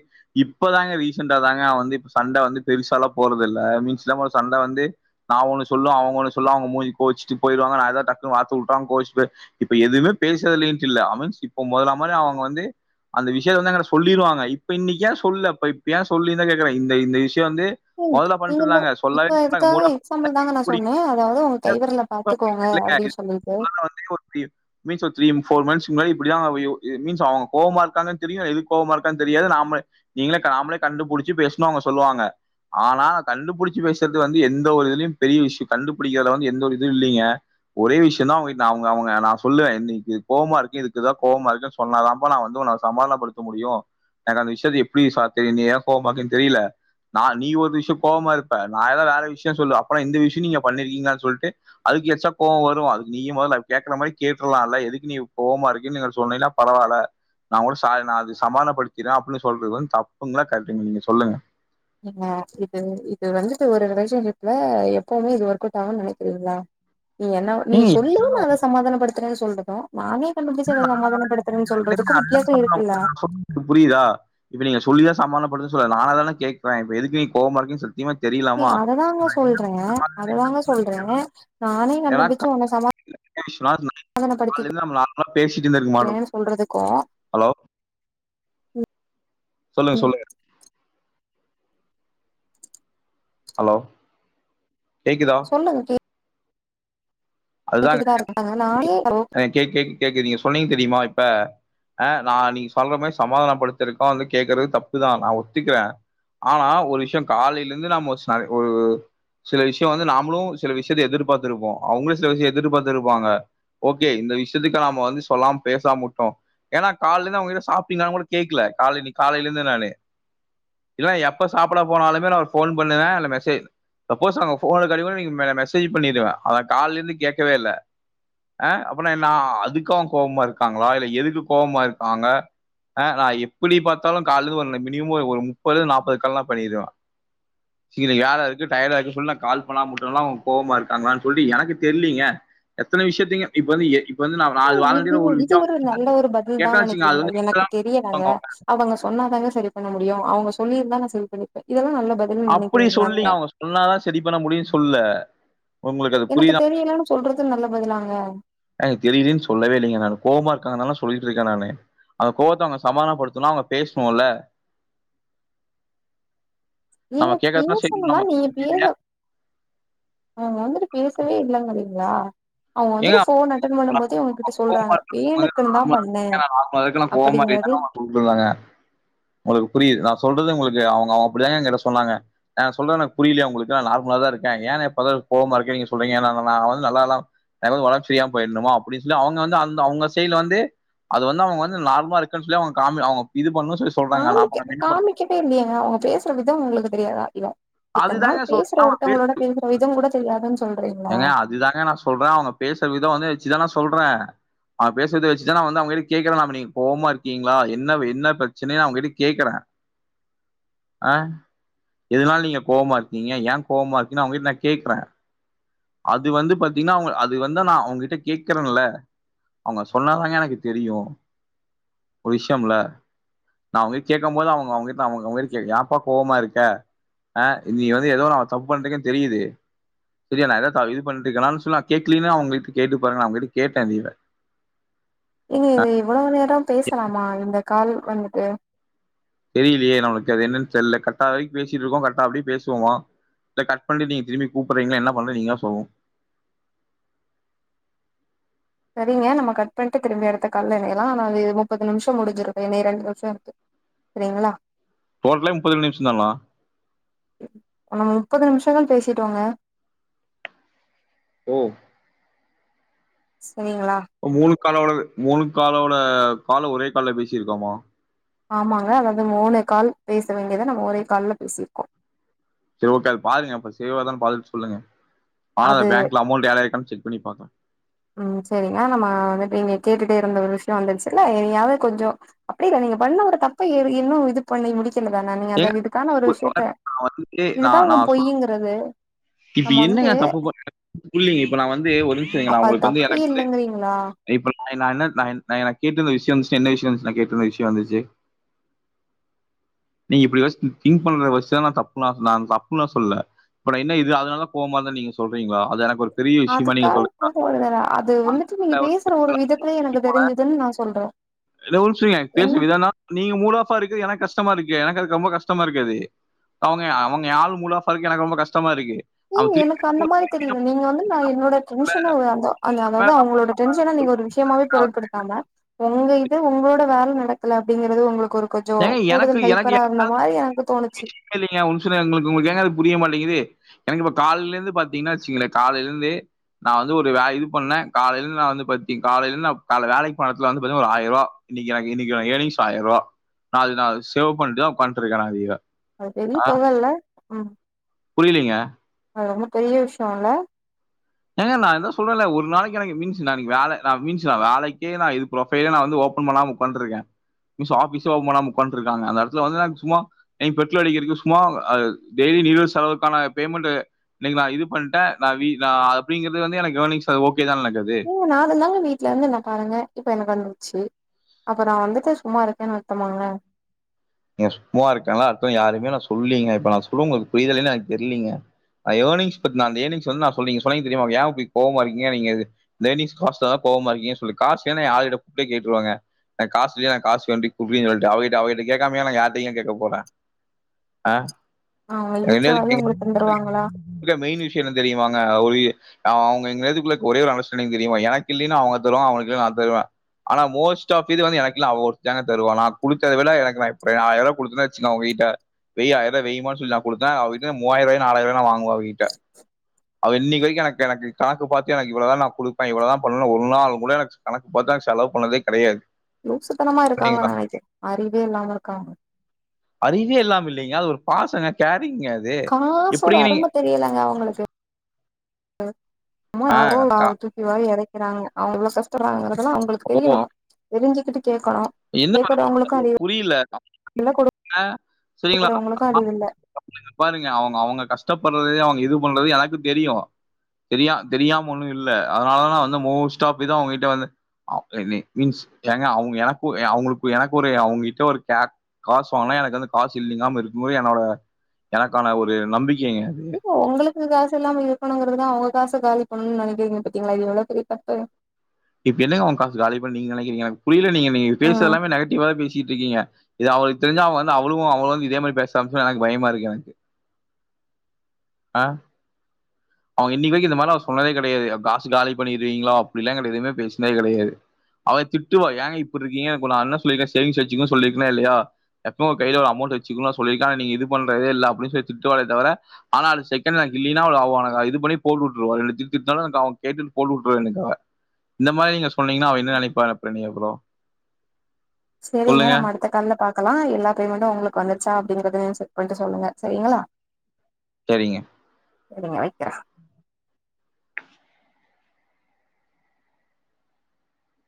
இப்பதாங்க ரீசண்டாதாங்க அவ வந்து இப்ப சண்ட வந்து பெருசா எல்லா போட்றது இல்ல மீன்ஸ் நம்ம சண்ட வந்து நா ஒண்ணு சொல்ல அவங்க ஒண்ணு சொல்ல அவங்க மூஞ்சி கோச்சுட்டு போயிருவாங்க நா எதாது டக்குன்னு வார்த்த உட்டா அவுங்க கோவிச்சுட்டு இப்ப எதுவுமே பேசறதில்லைன்ட்டு இல்ல அவன்ஸ் இப்ப மொதல்ல மார அவங்க வந்து அந்த விஷயத்த வந்து எங்கிட்ட சொல்லிருவாங்க இப்ப இன்னக்கி யேன் சொல்லல அப்ப இப்ப யேன் சொல்லுலின்னுதா கேக்குற இந்த இந்த விஷ ம் நீங்க இந்த இப்ப மாட்டாங்க இதுக்காக மூட் ஆஃப் எக்ஸாம்பிள்தாங்க நா சொன்னே அதாவது உங்க கை வெரல பாத்துக்கோ இல்லங்க <inaudible> மொதல்ல வந்து ஒரு த்ரீ மீன்ஸ் ஒரு த்ரீ ஃபோர் மன்த்ஸ் க்கு முன்னாடி இப்பிடிதா அவங்க யோ எ மீன்ஸ் அவங்க கோவமா இருக்காங்கன்னு தெரியு எதுக்கு கோவமா இருக்கான்னு தெரியாது நாம நீங்களே க நாமளே கண்டுபுடிச்சு பேசுனா அவங்க சொல்லுவாங்க ஆனா கண்டுபுடிச்சு பேசுறது வந்து எந்த ஒரு இதுலயு பெரிய விஷயோ கண்டுபுடிக்கறதுல வந்து எந்த ஒரு இதுவு இல்லைங்க ஒரே விஷயந்தா அவங்ககிட் நா அவங்க அவங்க நா சொல்லுவே இன்னைக்கு கோவமா இருக்கியே இதுக்குதா கோவமா இருக்கேன்னு சொன்னாதாம்பா நா வந்து உன்ன சமாதானப்படுத்த முடியு ஏன்னா அந்த விஷயத்த எப்டி சா தெரியு நீ யேன் கோவமா இருக்கேன்னு தெரியல நா நீ ஒரு விஷயோ கோவமா இருப்ப நா எதாவ்து வேற விஷயோ சொல்லுவ அப்ப இந்த விஷயோ நீங்க பண்ணிருக்கீங்களான்னு சொல்ட்டு அதுக்கு எக்ஸ்ட்ரா கோவோ வரு அதுக்கு நீயே மொதல்ல கேக்கற மாரி கேட்ருலா இல்ல எதுக்கு நீ கோவமா இருக்கயின்னு நீங்க சொன்னீங்கன்னா பரவால்ல நா கூட சாரி நா அது சமாதானப்படுத்தியிர்றே அப்டின்னு சொல்றது வந்து தப்புங்ளா கரெக்டுங்ளா நீங்க சொல்லுங்க என்ன இது இது வந்துட்டு ஒரு ரிலேஷன்ஷிப்ல எப்பவுமே இது ஒர்க் அவுட் ஆகுன்னு நெனைக்கிறீங்களா நீ என்ன நீ ம் சொல்லு நா அத சமாதானப்படுத்துறேன்னு சொல்றதா நானே <inaudible> கண்டுபிடிச்சு அத சமாதானப்படுத்துறேன்னு சொல்றதுக்கு வித்தியாச இருக்குல்ல புரியுதா இப்ப நீங்க சொல்லிதா சமானப் படுத்தறேன்னு சொல்லல நானாதான கேக்குறே இப்ப எதுக்கு நீ கோவமா இருக்கயின்னு ச ஏ அததாங்க சொல்றே அததாங்க சொல்றே நானே ஏன்னா கண்டுபுடிச்சு உன்ன சமாதானப்படுத்திட இந்த மார பேசிட்டு இருந்திருக்குமாலு ஹலோ ம் சொல்லுங்க சொல்லுங்க ஹலோ கேக்குதா சொல்லுங்க அதுதாங்க கேட்டுட்டுதா இருக்காங்க நானே ஆ கே கே கேக்குது நீங்க சொன்னீங்க தெரியுமா இ ப்ப ஆ நா நீங்க சொல்ற மாரி சமாதானப்படுத்தறக்காக வந்து கேக்குறது தப்புதா நா ஒத்துக்கிறே ஆனா ஒரு விஷயோ காலைல இருந்து நம்ம ஒரு ஸ்னா ஒரு சில விஷயோ வந்து நாமளு சில விஷயத்த எதிர்பாத்திருப்போ அவுங்களு சில விஷயோ எதிர்பாத்திருப்பாங்க ஓகே இந்த விஷயத்துக்காக நாம வந்து சொல்லாம பேசாம உட்டோ ஏன்னா காலைல இருந்து அவங்ககிட்ட சாப்டீங்களான்னு கூட கேக்கல காலைல இன்னக்கி காலைல இருந்து நானு இல்லன்னா எப்ப சாப்பட போனாலுமே நா ஒரு ஃபோன் பண்ணுவே இல்ல மெசேஜ் சப்போஸ் அவுங்க ஃபோனுக்கு கெடைக்கல இது மெ மெசேஜ் பண்ணிருவே ஆனா காலைல இருந்து கேக்கவே இல்ல ஆ அப்பனா என்னா அதுக்கு அவுங்க கோவமா இருக்காங்ளா இல்ல எதுக்கு கோவமா இருக்காங்க ஆ நா எப்பிடி பாத்தாலு காலைல இருந்து ஒரு மினிமம் ஒரு ஒரு முப்பது நாப்பது கால்லா பண்ணிருவே இல்ல கேரா இருக்கு டயேடா இருக்குன்னு சொல்லி நா கால் பண்ணாம உட்டதுனால அவுங்க கோவமா இருக்காங்ளான்னு சொல்லி எனக்கு தெரிலீங்க எத்தன விஷயத்தயிங்க இப்ப வந்து எ இ ஏ இது ஒ இது ஒரு நல்ல ஒரு கேட்டா பதில்தான்னு வச்சுங்க அது நெனைக்கிறீங்களா வந்து எனக்கு தெரியலங்க அவங்க அவங்க சொன்னாதாங்க சரி பண்ண மு டியு அவங்க சொல்லியிருந்தா நா செரி பண்ணிருப்பே இதல்லா நல்ல பதில்னு அப்பிடி நெனைக்கிறீங்களா சொல்லுலீங்க நீங்க அவுங்க சொன்னாதா சரி பண்ண முடியுன்னு சொல்லுல எனக்கு தெரியலன்னு சொல்ற து நல்ல பதிலாங்க எனக்கு தெரியிலீன்னு சொல்லவே இல்லைங்க நானு கோவமா இருக்காங்கன்னுதான சொல்லிட்ருக்கே நானு அந்த கோவத்த அவங்க சமானப்படுத்தனுனா அவங்க பேசணு இல்ல ஏங்க பேசணுனா நீங்க பேர அவுங்க வந்துட்டு பேசவே இல்லங்கிறீங்களா அவங்க வந்துட்டு ஃபோன் அட்டன் பண்ணும்போதே உங்ககிட்ட கோவமா சொல்றாங்க இருக்காங்க வேணுக்குன்தா பண்ணே நார்மலா இருக்கலாம் கோவமா அப்படிங்கிறது இருந்தாங்க அவங்க சொல்றாங்க உங்களுக்கு புரியுது நா சொல்றது உங்களுக்கு அவுங்க அவுங் அப்பிடிதாங்க எங்கிட்ட சொன்னாங்க நா சொல்றே உனக்கு புரியலயா உங்களுக்கு நா நார்மலாதா இருக்கே ஏங்க எப்ப பாத்தாலு கோவமா இருக்கேன்னு நீங்க சொல்றீங்க நா நல் நா வந்து நல்லா இல்லாம எனக்கு ஒடம்பு சரியாமா போயர்ணுமா அப்டின்னு சொல்லி அவங்க வந்து அந்த அவங்க சைடுல வந்து அது வந்து அவங்க வந்து நார்மலா இருக்கன்னு சொல்லி அவங்க காமி அவங்க இது பண்ணு காமிக்க காமிக்கவே இல்லியேங்க அவங்க பேசுற விதோம் உங்களுக்கு தெரியாதா இத இத்தன் நாள் அதுதாங்க பேசுற சொல்றே அவங்க ஒருத்தவங்களோட பேசு பேசுற விதோங் கூட தெரியாதுன்ஸ் ஏங்க அதுதாங்க நா சொல் அவங்க பேசுற விதோ வந்து வெச்சுதா நா சொல்ற அவ பேசுனத வெச்சுதா நா வந்து அவங்க கிட்ட கேக்குற நாம நீங்க கோவம்மா இருக்கீங்களா என்ன என்ன பிரச்சனையா அவங்க கிட்ட கேக்குற ஆ எதனால நீங்க கோவம்மா இருக்கீங்க ஏ கோவம்மா இருக்கீன்னு அவங்க கிட்ட நா கேக்குற அது வந்து பாத்தீங்கன்னா அவங்க அது வந்து நா அவங்க கிட்ட கேக்குறன்ல அவங்க சொன்னாதாங்க எனக்கு தெரியு ஒரு விஷ்யம்ல நா அவங்கள கேக்கும் போது அவங்க அவங்க கிட்ட அவங்க அவங்க கிட்ட கேக்குறீங்க ஏப்பா கோவமா இருக்க நீ வந்து ஏதோ நா தப்பு பண்றீங்கன் தெரியுது சேரியா நா ஏதாவா இது பண்ட்டு இருக்கன்னா சொல்லி நா கேக்குலின் அவங்களுக்கு கேட்டு பாருங்க அவங்ககிட்ட கேட்ட அந்த இத நீங்க இது எவ்வளோ நேரம் பேசலாமா இந்த கால் வந்துட்டு தெரியில்லியே நமக்கு அது என்னன் தெர்ல கட்டாய் பேசிட்ருக்கோ கரட்டா அப்டியே பேசுவோமா இல்ல கட் பண்ணிட்டு நீங்க திரும்பி கூப்றீங்கலா என்ன பண்ற நீங்கதா சொல்னு சேரிங்க நம்ம கட் பண்ட்டு திரும்பி அடுத்த கால்ல இணையலா நா அது முப்பது நிம்ஷோம் முடுஞ்சுருவே இன்னு இரண்டு நிம்ஷம் இருக்கு சேரிங்களா டோட்லே முப்பது நிம்ஷோந்தானா நம்ம முப்பது நிம்ஷோந்தா பேசிட்டோங்க ஓ சொன்னீங்களா காலோடது மூணு காலோட கால ஒரே கால்ல பேசி இருக்கோமா ஆமாங்க அதாவது மூணு கால் பேச வேண்டியது நம்ம ஒரே கால்ல பேசிருக்கோ சேர் ஓகே அது பாருங்க அப்ப சேவ் ஆவுதான் பாத்துட்டு சொல்லுங்க அது ஆனா பேங்க்ல அமௌண்ட் ஏடாயிருக்கான் செக் பண்ணி பாத்த ம் சேரிங்களா நம்ம வந்துட்டு நீங்க கேட்டுட்டே இருந்த ஒரு விஷ்யோ வந்துடுச்சு இல்ல ஏாவது கொஞ்சோ அப்படி இல்ல நீங்க பண்ண ஒரு தப்பு இன்னு இது பண்ணி முடி த்துலதான்ன நீங்க அத ஏங்க இதுக்கான ஒரு இப்ப விஷ்யத்த நான் வந்து இதுதா நான் உங்க நான் சொல்றேன் பொய்யுங்குறது இப்ப என்னங்க தப்பு பண்ட புரிலிங்க இப்ப நா வந்து ஒரு நிம்ஷோ இருங் அப்ப அது தப்பு இல்லங்கிறீங்களா ஏய் நா என்ன நா என் நா என கேட்டது விஷ்யோ வந்துச்சு என்ன விஷ்யோ வந்துச்சு ன் கேட்டுருந்த விஷ்யோ வந்துருச்சு நீங்க இப்படி யோஷ் திங்க் பண்ற வச்சுதா நா தப்புல்லா நா தப்புல்லா சொல்ல இப்போ நா என்ன ஏது அதனால கோவமாருந்தன் நீங்க சொல்றீங்களா அது எனக்கு ஒரு பெரிய விஷயமா நீங்க அதுக்காக சொல்றீங்களா கோவோ வருலனா அது வந்துட்டு நீங்க பேசுற ஒரு விதத்துலயே எனக்கு தெருஞ்சுதுன் நா சொல்ற இதா ஒரு நிம்ஷோ இருங்க பேசு விதோன்னா நீங்க மூடாஆஃப்பா இருக்கு எனக்கு கஷ் கஷ்டமா இருக்கு எனக்கு அதுக்கு ரொம்போ கஷ்டமா இருக்கு அது அவங்க அவங்க ஏ ஆழ் மூடாஆஃப்பா இருக்கு எனக்கு ரொம்போ கஷ்டமா இருக்கு அவன் ஏய் திருப்பி எனக்கு அந்த மாரி தெரியல நீங்க வந்து நா என்னோட டென்ஷன மேல அதாவது அவங்களோட டென்ஷன நீங்க ஒரு விஷ்யமாவே பொருட்படுத்தாம உங்க இத் து உங்களோட வேல நடக்கல அப்டிங்கிறது உங்களுக்கு ஒரு கொஞ்சோ ஏங்க கூடுதல் எனக்கு எனக்கு ஹைப்பரா எங்க இருந்த வேல மாரி எனக்கு தோணுச்சு <inaudible> இல்லிங்க ஒரு நிம்ஷோ இருங்க உங்களுக்கு உங்களுக்கு ஏங்கா அது புரிய மாட்டேங்குது எனக்கு இப்ப கால்லருந்து பாத்தீங்கன்னா வெச்சுக்குங்ளே காலில இருந்தே நா வந்து ஒரு வே இது பண்ண காலில இருந்து நா வந்து பாத்தீங் காலைல இருந்து காலைல வேலைக்கு போன எடத்துல வந்து பாத்தீங்கன்னா ஒரு ஆயிரூபா இன்னிக்கு எனக்கு இன்னிக்கு ஏனிங்ஸ் ஆயிரூவா நா அது நா சேவ் பண்டுதா உக்காண்டுருக்க நா அதிய அது பெரிய தொகல ம் புரிலிங்க அது ரொம்போ பெரிய விஷ்யோம்ல ஏங்க நா என்ன சொல்றல்ல ஒரு நாளைக்கு எனக்கு மிஞ்சு நானு இங்க வேல நா மீன்ஸ் நா வேலைக்கே நா இது ஃப்ராஃபிட் நா வந்து ஓப்பன் பண்ணாம உக்கான்டு இருக்க ஒரு நிம்ஷோ ஆபீஸ்சே ஓப்பன் பண்ணாம உட்கான்ட்டு இருக்காங்க அந்த எடத்துல வந்து நாங்க சும்மா ஏங்க பெட்ரோலு அடிக்கிறதுக்கு சும்மா டெய்லி நீ செலவுக்கான பேமெண்ட்டு இன்னிக்கு நா இது பண்ட நா வீ நா அப் அப்டிங்கிறது வந்து எனக்கு கவனி சார் ஓக் உ நாலுநாள் வீட்ல இருந்தன் பாருங்க இப்ப எனக்கு வந்துச்சு அப்ப நா வந்துட்டு சும்மா இருக்கேன்னு அர்த்தமா நீங்க சும்மா இருக்கலா அர்த்தம் யாருமே நா சொல்லீங்க இப்ப நா சொல்றது உங்களுக்கு புரியலைன்னா எனக்கு தெரியலீங்க அய்யோ ஏனிங்ஸ் நா ஏனிங்ஸ் வந்து நா சொல்லீங்க சொன்னீங்க தெரியுமா ஏன் இப்ப கோவமா இருக்கீங்க நீங்க இந்த ஏனிங்ஸ் காச கோவமா இருக்கீங்கன்னு சொல்லி காசுன்னா என்ன யாருகிட்டயும் போயிட்டு கேட்டுருவாங்க நா காசு வேணு காசு வேணு குடுறி அவகிட்ட அவகிட்ட கேக்காமயா நாங்க யார்டையும் கேக்க போறேன் ஆ அவங்க இழுச்ச வாயு உங்களுக்கு தந்துருவாங்களா <unintelligible> மெயின் விஷயம் என்ன தெரி அவுங்க ஒரு அவுங்க <unintelligible> ஒரே ஒரு அண்டர்ஸ்டாண்டிங் தெரியுமா எனக்கு இல்லைன்னா அவுங்க தருவாங்க அவங்களுக்கு இல்லன்னா நா தருவேன் ஆனா மோஸ்ட் ஆப் இது வந்து எனக் அவ ஒருத்திதாங்க தருவா நா குடுத்தத விட எனக் ஆயிர ரூவா குடுத்தே வச்சுகோ அவங்கிட்ட வை ஆயிர ரூவா வை மா சொல்லி நா குடுத்தா அவகிட்ட மூவாயிர ரூவா நாலாயிர ரூவா நா வாங்குவன் அவகிட்ட அவ இன்னைக்கு வரைக்கும் எனக்கு எனக்கு கணக்கு பாத்து இவ்ளோ தா நா குடுப்பேன் இவ்ளோ தா பண்ணுவேன் ஒரு நாள் கூட எனக்கு கணக்கு பாத்து செலவு பண்ணுனதே கிடையாது லுசுத்தனமா இருக்காங்க சரிங்களா நெனைக்கேன் அறிவே இல்லாம <unintelligible> அறிவே இல்லாம இல்லீங்க அது ஒரு பாசங்க கேர் காசோட அரும தெரிலங்க அவுங்களுக்கு அ <unintelligible> ஆஹ் இருக்காங்க அவங்க எவ்ளோ <unintelligible> அவுங்களுக்கு ஓ தெரியணு தெரிஞ்சு கேக்கணு என்ன கேக்குறவங்களுக்கும் புரியல அறிவில்ல சரிங்களா குடுக்கிறவங்களுக்கும் அறிவில்ல பாருங்க அவுங்க அவுங்க கஷ்டப்படுறது அவுங்க இது பண்றது எனக்கு தெரியும் தெரிய தெரியாம ஒன்னும் இல்ல அதனால நா வந்து மோஸ் ஆப் இது வந்து அவுங்கிட்ட வந்து மீன்ஸ் அவுங்க எனக் அவுங்களுக்கு எனக்கு ஒரு அவுங்கிட்ட ஒரு கா காசு வாங்குன எனக்கு வந்து காசு இல்லாம இருக்கும் போது என்னோட எனக்கான ஒரு நம்பிக்க உங்களுக்கு காசு இல்லாம இருக்கணுங்கிறது அவுங்க காச காலி பண்ணனு நெனைக்கிறீங்க பாத்தீங்களா இது எவ்ளோ பெரிய தப்பு இப்ப என்னங்க உங்க காசு காலி பண்ணிட்டிங்க நீங்க நெனைக்கிறீங்க புரியல நீங்க நீங்க ஆ பேசுற எல்லாமே நெகட்டிவ பேசிட்டு இருக்கீங்க இது அவளுக்கு தெரிஞ்சா அவங்க வந்து அவளும் அவள வந்து இதே மாரி பேசின எனக்கு பயமா இருக்கு எனக்கு அ அவங்க இன்னை வரைக்கும் இந்த மாரி எல்லா அவ சொன்னதே கிடையாது காசு காலி பண்ணிருவீங்களா அப்டி எல்லா எதுவுமே பேசுனதே கிடையாது அவ திட்டுவா ஏங்க இப்டி இருக்கீங்க இப்ப நா என்ன சொல்லிருக்கேன் சேவிங்ஸ் வச்சிருக்கோ சொல்லிருக்கனா இல்லயா எப்போவும் கையில ஒரு அமௌன்ட் வச்சிருக்கணு நா சொல்லிருக்கன் ஆனா இது பண்ணுறதே இல்ல அப்டி சொல்லி திட்டுவாளே தவிர ஆனா அது செகண்ட்ல இல்லன்னா அவ இது பண்ணி போட்டு விட்டுருவா ரெண்டு திட்டு திட்டினாலும் அவ போட்டுவிட்டுருவா எனக்கு அவ இந்த மாரிங்க சொன்னீங்னா அவ என்ன நெனைப்பா <unintelligible> அப்றோ சேரிங்க சொல்லுங்க நம்ம அடுத்த கால்ல பாக்கலா எல்லா பேமெண்ட்டும் உங்களுக்கு வந்துருச்சா அப்டிங்கிறத <unintelligible> செக் பண்ணிட்டு சொல்லுங்க செரிங்களா செரிங்க செரிங்க வைக்கிற